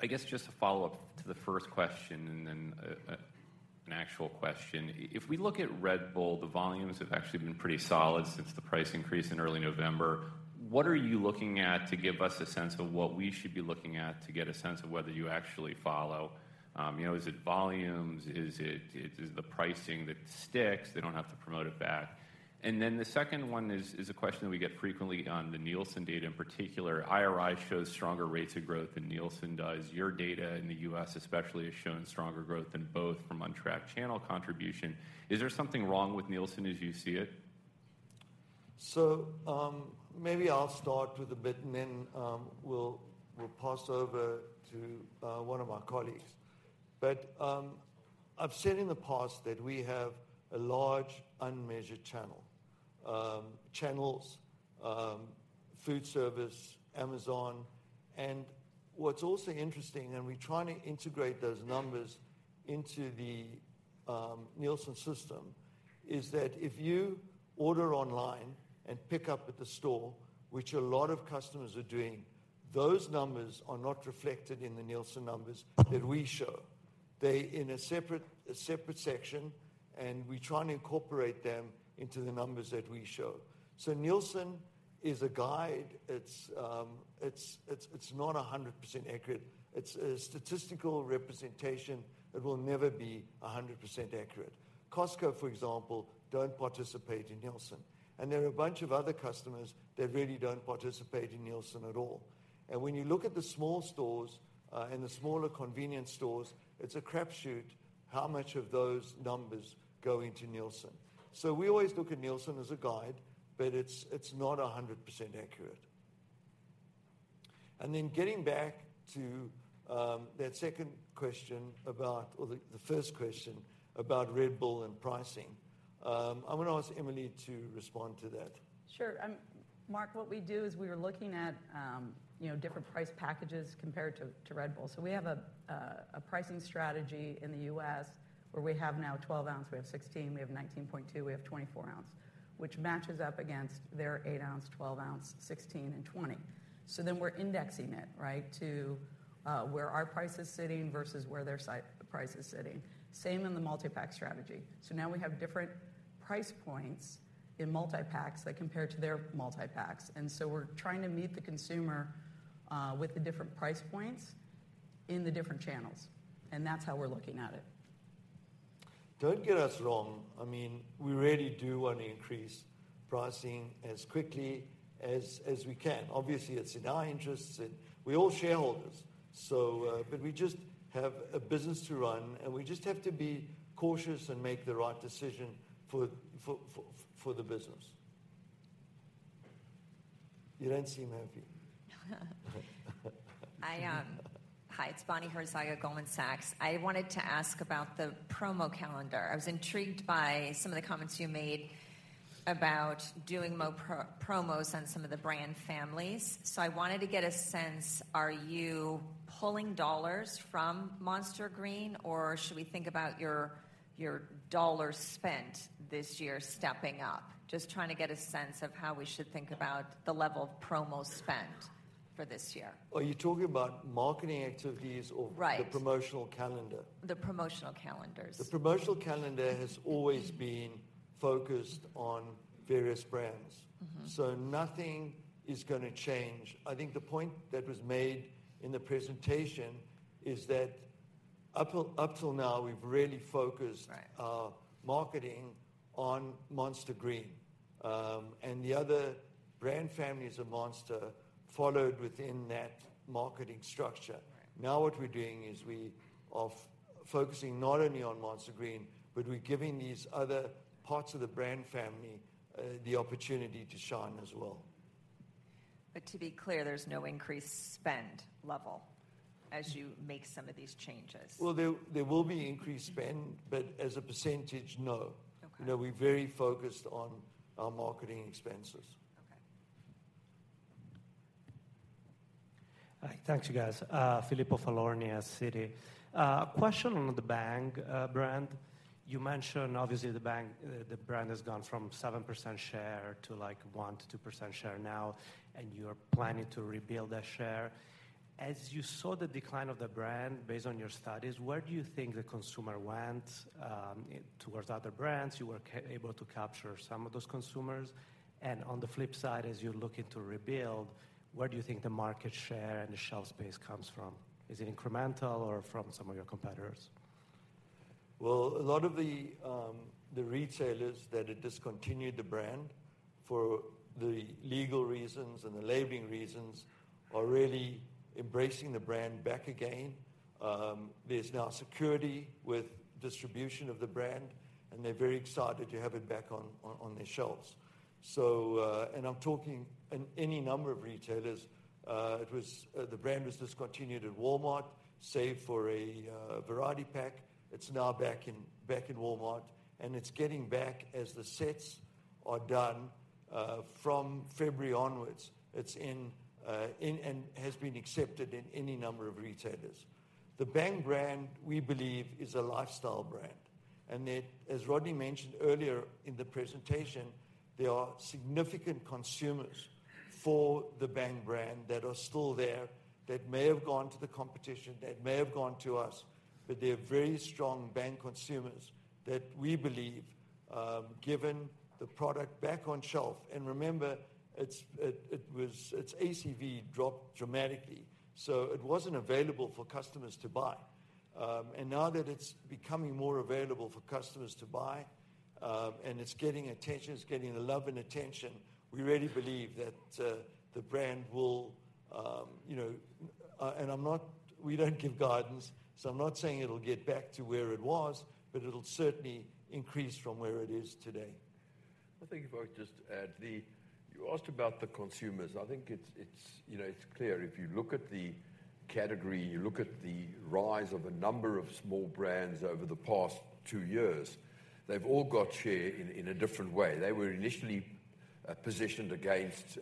I guess just a follow-up to the first question and then an actual question. If we look at Red Bull, the volumes have actually been pretty solid since the price increase in early November. What are you looking at to give us a sense of what we should be looking at to get a sense of whether you actually follow? You know, is it volumes? Is it is the pricing that sticks? They don't have to promote it back. And then the second one is a question that we get frequently on the Nielsen data in particular. IRI shows stronger rates of growth than Nielsen does. Your data in the U.S. especially has shown stronger growth than both from untracked channel contribution. Is there something wrong with Nielsen as you see it? Maybe I'll start with a bit and then, we'll pass over to one of my colleagues. But, I've said in the past that we have a large unmeasured channel, channels, food service, Amazon. And what's also interesting, and we're trying to integrate those numbers into the Nielsen system, is that if you order online and pick up at the store, which a lot of customers are doing, those numbers are not reflected in the Nielsen numbers that we show. They're in a separate, a separate section, and we're trying to incorporate them into the numbers that we show. Nielsen is a guide. It's not 100% accurate. It's a statistical representation that will never be 100% accurate. Costco, for example, don't participate in Nielsen, and there are a bunch of other customers that really don't participate in Nielsen at all. When you look at the small stores and the smaller convenience stores, it's a crap shoot how much of those numbers go into Nielsen. We always look at Nielsen as a guide, but it's not 100% accurate. Then getting back to that second question about or the first question about Red Bull and pricing. I'm going to ask Emelie to respond to that. Sure. Mark, what we do is we were looking at, you know, different price packages compared to Red Bull. So we have a pricing strategy in the US where we have now 12-ounce, we have 16, we have 19.2, we have 24-ounce, which matches up against their 8-ounce, 12-ounce, 16 and 20. Then we're indexing it, right, to where our price is sitting versus where their price is sitting. Same in the multipack strategy. Now we have different price points in multipacks that compare to their multipacks, and so we're trying to meet the consumer with the different price points in the different channels, and that's how we're looking at it. Don't get us wrong, I mean, we really do want to increase pricing as quickly as we can. Obviously, it's in our interests, and we're all shareholders. So, but we just have a business to run, and we just have to be cautious and make the right decision for the business. You don't seem happy. Hi, it's Bonnie Herzog at Goldman Sachs. I wanted to ask about the promo calendar. I was intrigued by some of the comments you made about doing more promos on some of the brand families. So I wanted to get a sense, are you pulling dollars from Monster Green, or should we think about your, your dollar spent this year stepping up? Just trying to get a sense of how we should think about the level of promo spend for this year. Are you talking about marketing activities or- Right. the promotional calendar? The promotional calendars. The promotional calendar has always been focused on various brands. Mm-hmm. So nothing is gonna change. I think the point that was made in the presentation is that up till, up till now, we've really focused- Right... our marketing on Monster Green, and the other brand families of Monster followed within that marketing structure. Right. Now, what we're doing is we are focusing not only on Monster Green, but we're giving these other parts of the brand family, the opportunity to shine as well. To be clear, there's no increased spend level as you make some of these changes? Well, there will be increased spend, but as a percentage, no. Okay. You know, we're very focused on our marketing expenses. Okay. Hi. Thank you, guys. Filippo Falorni, Citi. A question on the Bang brand. You mentioned, obviously, the Bang the brand has gone from 7% share to, like, 1%-2% share now, and you're planning to rebuild that share. As you saw the decline of the brand, based on your studies, where do you think the consumer went, towards other brands? You were able to capture some of those consumers. On the flip side, as you're looking to rebuild, where do you think the market share and the shelf space comes from? Is it incremental or from some of your competitors? Well, a lot of the retailers that had discontinued the brand for the legal reasons and the labeling reasons are really embracing the brand back again. There's now security with distribution of the brand, and they're very excited to have it back on their shelves. I'm talking any number of retailers. The brand was discontinued at Walmart, save for a variety pack. It's now back in Walmart, and it's getting back as the sets are done from February onwards. It's in and has been accepted in any number of retailers. The Bang brand, we believe, is a lifestyle brand, and it, as Rodney mentioned earlier in the presentation, there are significant consumers for the Bang brand that are still there, that may have gone to the competition, that may have gone to us, but they're very strong Bang consumers that we believe, given the product back on shelf... And remember, it was, its ACV dropped dramatically, so it wasn't available for customers to buy. Now that it's becoming more available for customers to buy, and it's getting attention, it's getting the love and attention, we really believe that the brand will, you know... And I'm not. We don't give guidance, so I'm not saying it'll get back to where it was, but it'll certainly increase from where it is today. If I could just add, you asked about the consumers. I think it's, you know, it's clear if you look at the category, you look at the rise of a number of small brands over the past 2 years, they've all got share in a different way. They were initially positioned against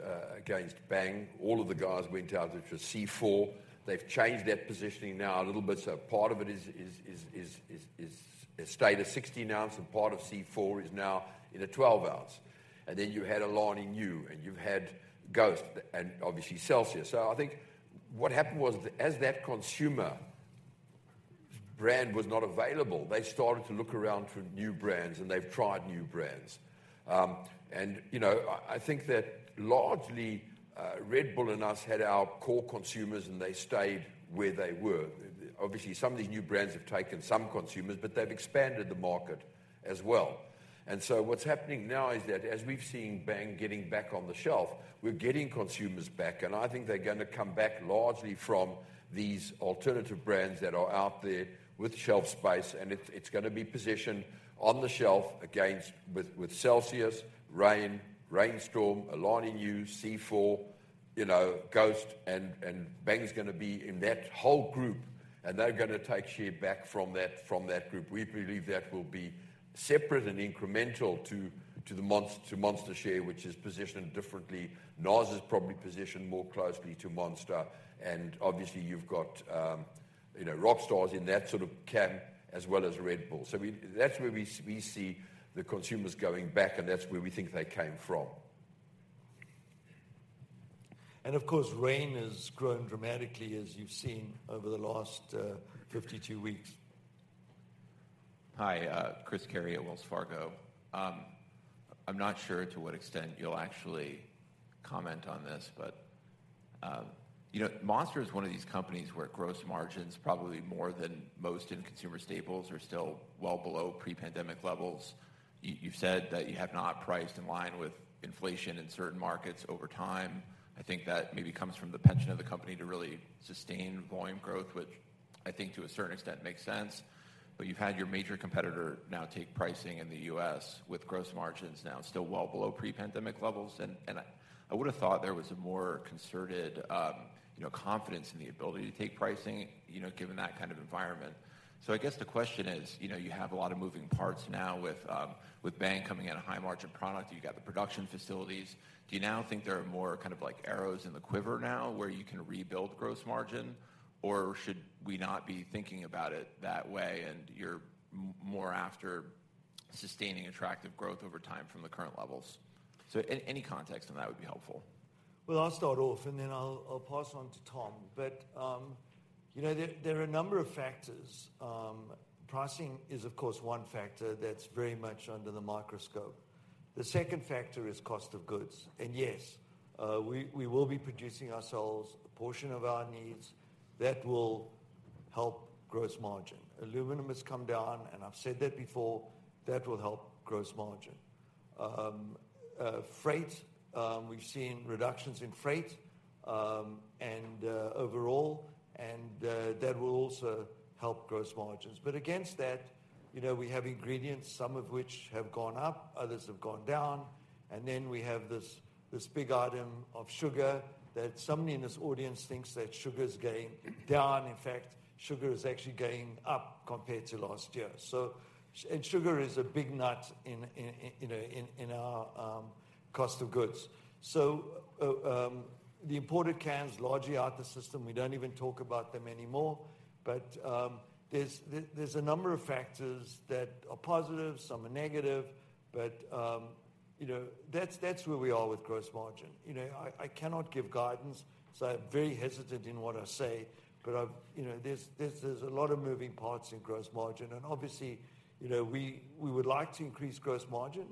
Bang. All of the guys went out, which was C4. They've changed their positioning now a little bit, so part of it is still the 16-ounce, and part of C4 is now in a 12-ounce. And then you had Alani Nu, and you've had Ghost and obviously Celsius. So I think what happened was as that consumer brand was not available, they started to look around for new brands, and they've tried new brands. Largely Red Bull and us had our core consumers, and they stayed where they were. Obviously, some of these new brands have taken some consumers, but they've expanded the market as well. What's happening now is that as we've seen Bang getting back on the shelf, we're getting consumers back, and I think they're gonna come back largely from these alternative brands that are out there with shelf space, and it's gonna be positioned on the shelf against Celsius, Reign, Reign Storm, Alani Nu, C4- Ghost and Bang's gonna be in that whole group, and they're gonna take share back from that group. We believe that will be separate and incremental to the Monster share, which is positioned differently. NOS is probably positioned more closely to Monster, and obviously, you've got, you know, Rockstar in that sort of camp, as well as Red Bull. So that's where we see the consumers going back, and that's where we think they came from. And of course, Reign has grown dramatically, as you've seen over the last 52 weeks. Hi, Chris Carey at Wells Fargo. I'm not sure to what extent you'll actually comment on this, but, you know, Monster is one of these companies where gross margins, probably more than most in consumer staples, are still well below pre-pandemic levels. You've said that you have not priced in line with inflation in certain markets over time. I think that maybe comes from the penchant of the company to really sustain volume growth, which I think to a certain extent, makes sense. But you've had your major competitor now take pricing in the US, with gross margins now still well below pre-pandemic levels, and I would've thought there was a more concerted, you know, confidence in the ability to take pricing, you know, given that kind of environment. The question is, you know, you have a lot of moving parts now with, with Bang coming in a high margin product. You've got the production facilities. Do you now think there are more kind of like, arrows in the quiver now, where you can rebuild gross margin? Or should we not be thinking about it that way, and you're more after sustaining attractive growth over time from the current levels? So any context on that would be helpful. Well, I'll start off, and then I'll, I'll pass on to Tom. But, you know, there, there are a number of factors. Pricing is, of course, one factor that's very much under the microscope. The second factor is cost of goods, and yes, we, we will be producing ourselves a portion of our needs. That will help gross margin. Aluminum has come down, and I've said that before. That will help gross margin. Freight, we've seen reductions in freight, and overall, that will also help gross margins. But against that, you know, we have ingredients, some of which have gone up, others have gone down, and then we have this, this big item of sugar, that somebody in this audience thinks that sugar's going down. In fact, sugar is actually going up compared to last year. Sugar is a big nut in, you know, in our cost of goods. So, the imported cans largely out the system, we don't even talk about them anymore. But, there's a number of factors that are positive, some are negative, but, you know, that's where we are with gross margin. I cannot give guidance, so I'm very hesitant in what I say, but I've... There's a lot of moving parts in gross margin, and obviously, you know, we would like to increase gross margin,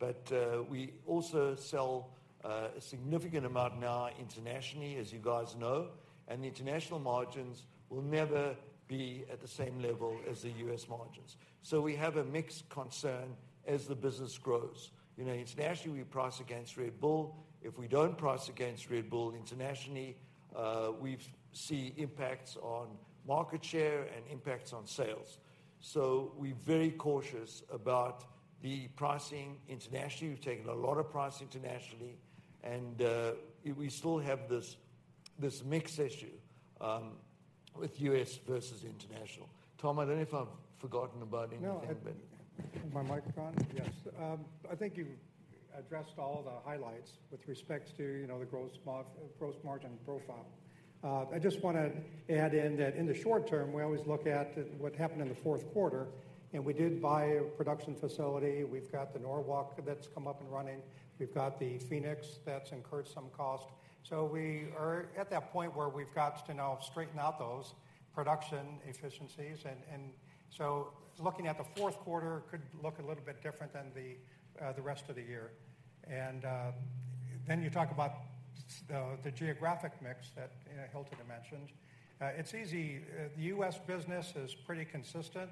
but we also sell a significant amount now internationally, as you guys know, and the international margins will never be at the same level as the U.S. margins. We have a mixed concern as the business grows. Internationally, we price against Red Bull. If we don't price against Red Bull internationally, we've seen impacts on market share and impacts on sales. So we're very cautious about the pricing internationally. We've taken a lot of price internationally, and we still have this, this mix issue with US versus international. Tom, I don't know if I've forgotten about anything, but- No, my microphone? Yes. I think you've addressed all the highlights with respect to, you know, the gross margin profile. I just wanna add in that in the short term, we always look at, at what happened in the fourth quarter, and we did buy a production facility. We've got the Norwalk that's come up and running. We've got the Phoenix that's incurred some cost. So we are at that point where we've got to now straighten out those production efficiencies and, and so looking at the fourth quarter could look a little bit different than the, the rest of the year. Then you talk about the geographic mix that, Hilton mentioned. It's easy. The U.S. business is pretty consistent.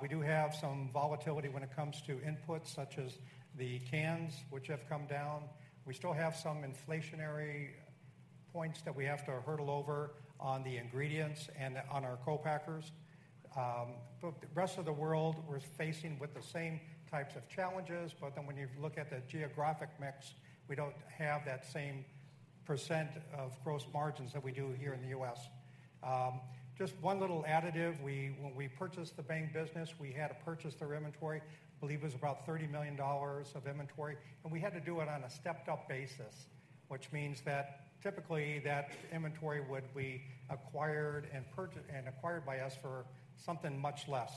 We do have some volatility when it comes to inputs, such as the cans, which have come down. We still have some inflationary points that we have to hurdle over on the ingredients and on our co-packers. But the rest of the world, we're facing with the same types of challenges, but then when you look at the geographic mix, we don't have that same percent of gross margins that we do here in the U.S. Just one little additive. We, when we purchased the Bang business, we had to purchase their inventory. I believe it was about $30 million of inventory, and we had to do it on a stepped-up basis, which means that typically, that inventory would be acquired and acquired by us for something much less,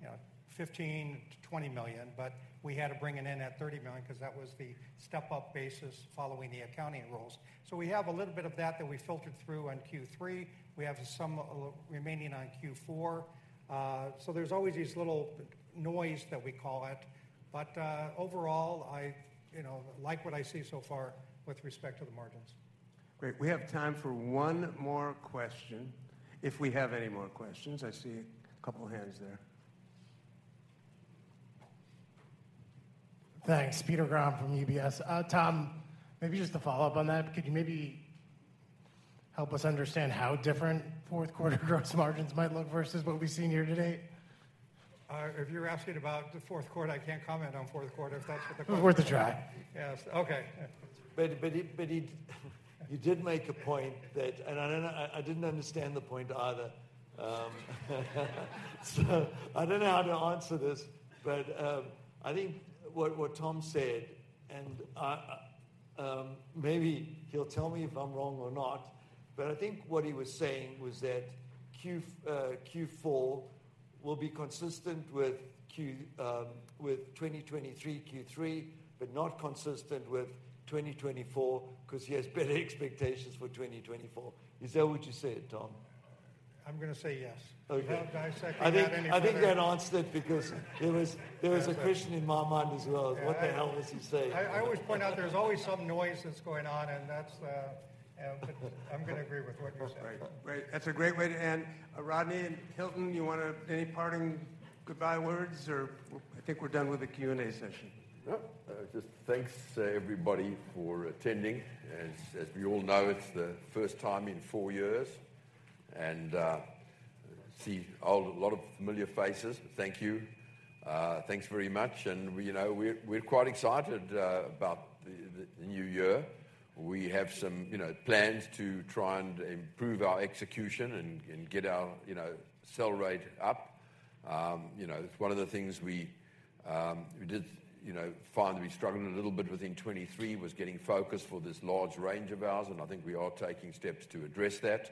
you know, $15 million-$20 million. But we had to bring it in at $30 million, because that was the step-up basis following the accounting rules. So we have a little bit of that, that we filtered through on Q3. We have some remaining on Q4. So there's always these little noise, that we call it, but overall, I, you know, like what I see so far with respect to the margins. Great. We have time for one more question. If we have any more questions. I see a couple of hands there. Thanks. Peter Grom from UBS. Tom, maybe just to follow up on that, could you maybe help us understand how different fourth quarter gross margins might look versus what we've seen here today? If you're asking about the fourth quarter, I can't comment on fourth quarter, if that's what the question. It was worth a try. Yes. Okay. He, you did make a point that... And I don't know, I didn't understand the point either. So I don't know how to answer this, but I think what Tom said, and I maybe he'll tell me if I'm wrong or not, but I think what he was saying was that Q4 will be consistent with 2023 Q3, but not consistent with 2024, 'cause he has better expectations for 2024. Is that what you said, Tom? I'm gonna say yes. Okay. Without dissecting that any further. I think that answered it because there was— That's it... a question in my mind as well. Yeah. What the hell is he saying? I always point out there's always some noise that's going on, and that's, I'm gonna agree with what you said. Great. Great. That's a great way to end. Rodney and Hilton, you wanna-- any parting goodbye words or... I think we're done with the Q&A session. Yep. Just thanks, everybody, for attending. As we all know, it's the first time in four years, and I see a lot of familiar faces. Thank you. Thanks very much, and we, you know, we're quite excited about the new year. We have some, you know, plans to try and improve our execution and get our, you know, sell rate up. You know, one of the things we did, you know, find we struggled a little bit within 2023 was getting focus for this large range of ours, and I think we are taking steps to address that.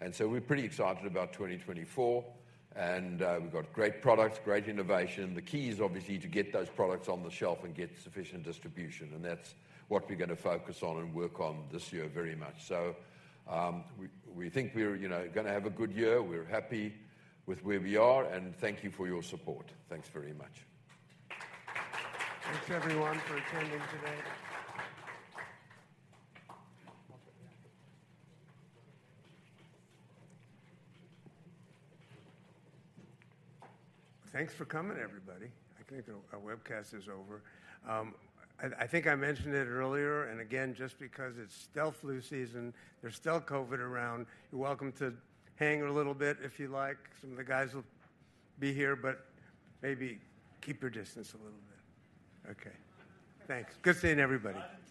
And so we're pretty excited about 2024, and we've got great products, great innovation. The key is obviously to get those products on the shelf and get sufficient distribution, and that's what we're gonna focus on and work on this year very much so. We think we're, you know, gonna have a good year. We're happy with where we are, and thank you for your support. Thanks very much. Thanks, everyone, for attending today. Thanks for coming, everybody. I think our webcast is over. I think I mentioned it earlier, and again, just because it's still flu season, there's still COVID around, you're welcome to hang a little bit if you like. Some of the guys will be here, but maybe keep your distance a little bit. Okay. Thanks. Good seeing everybody. I didn't say that. No?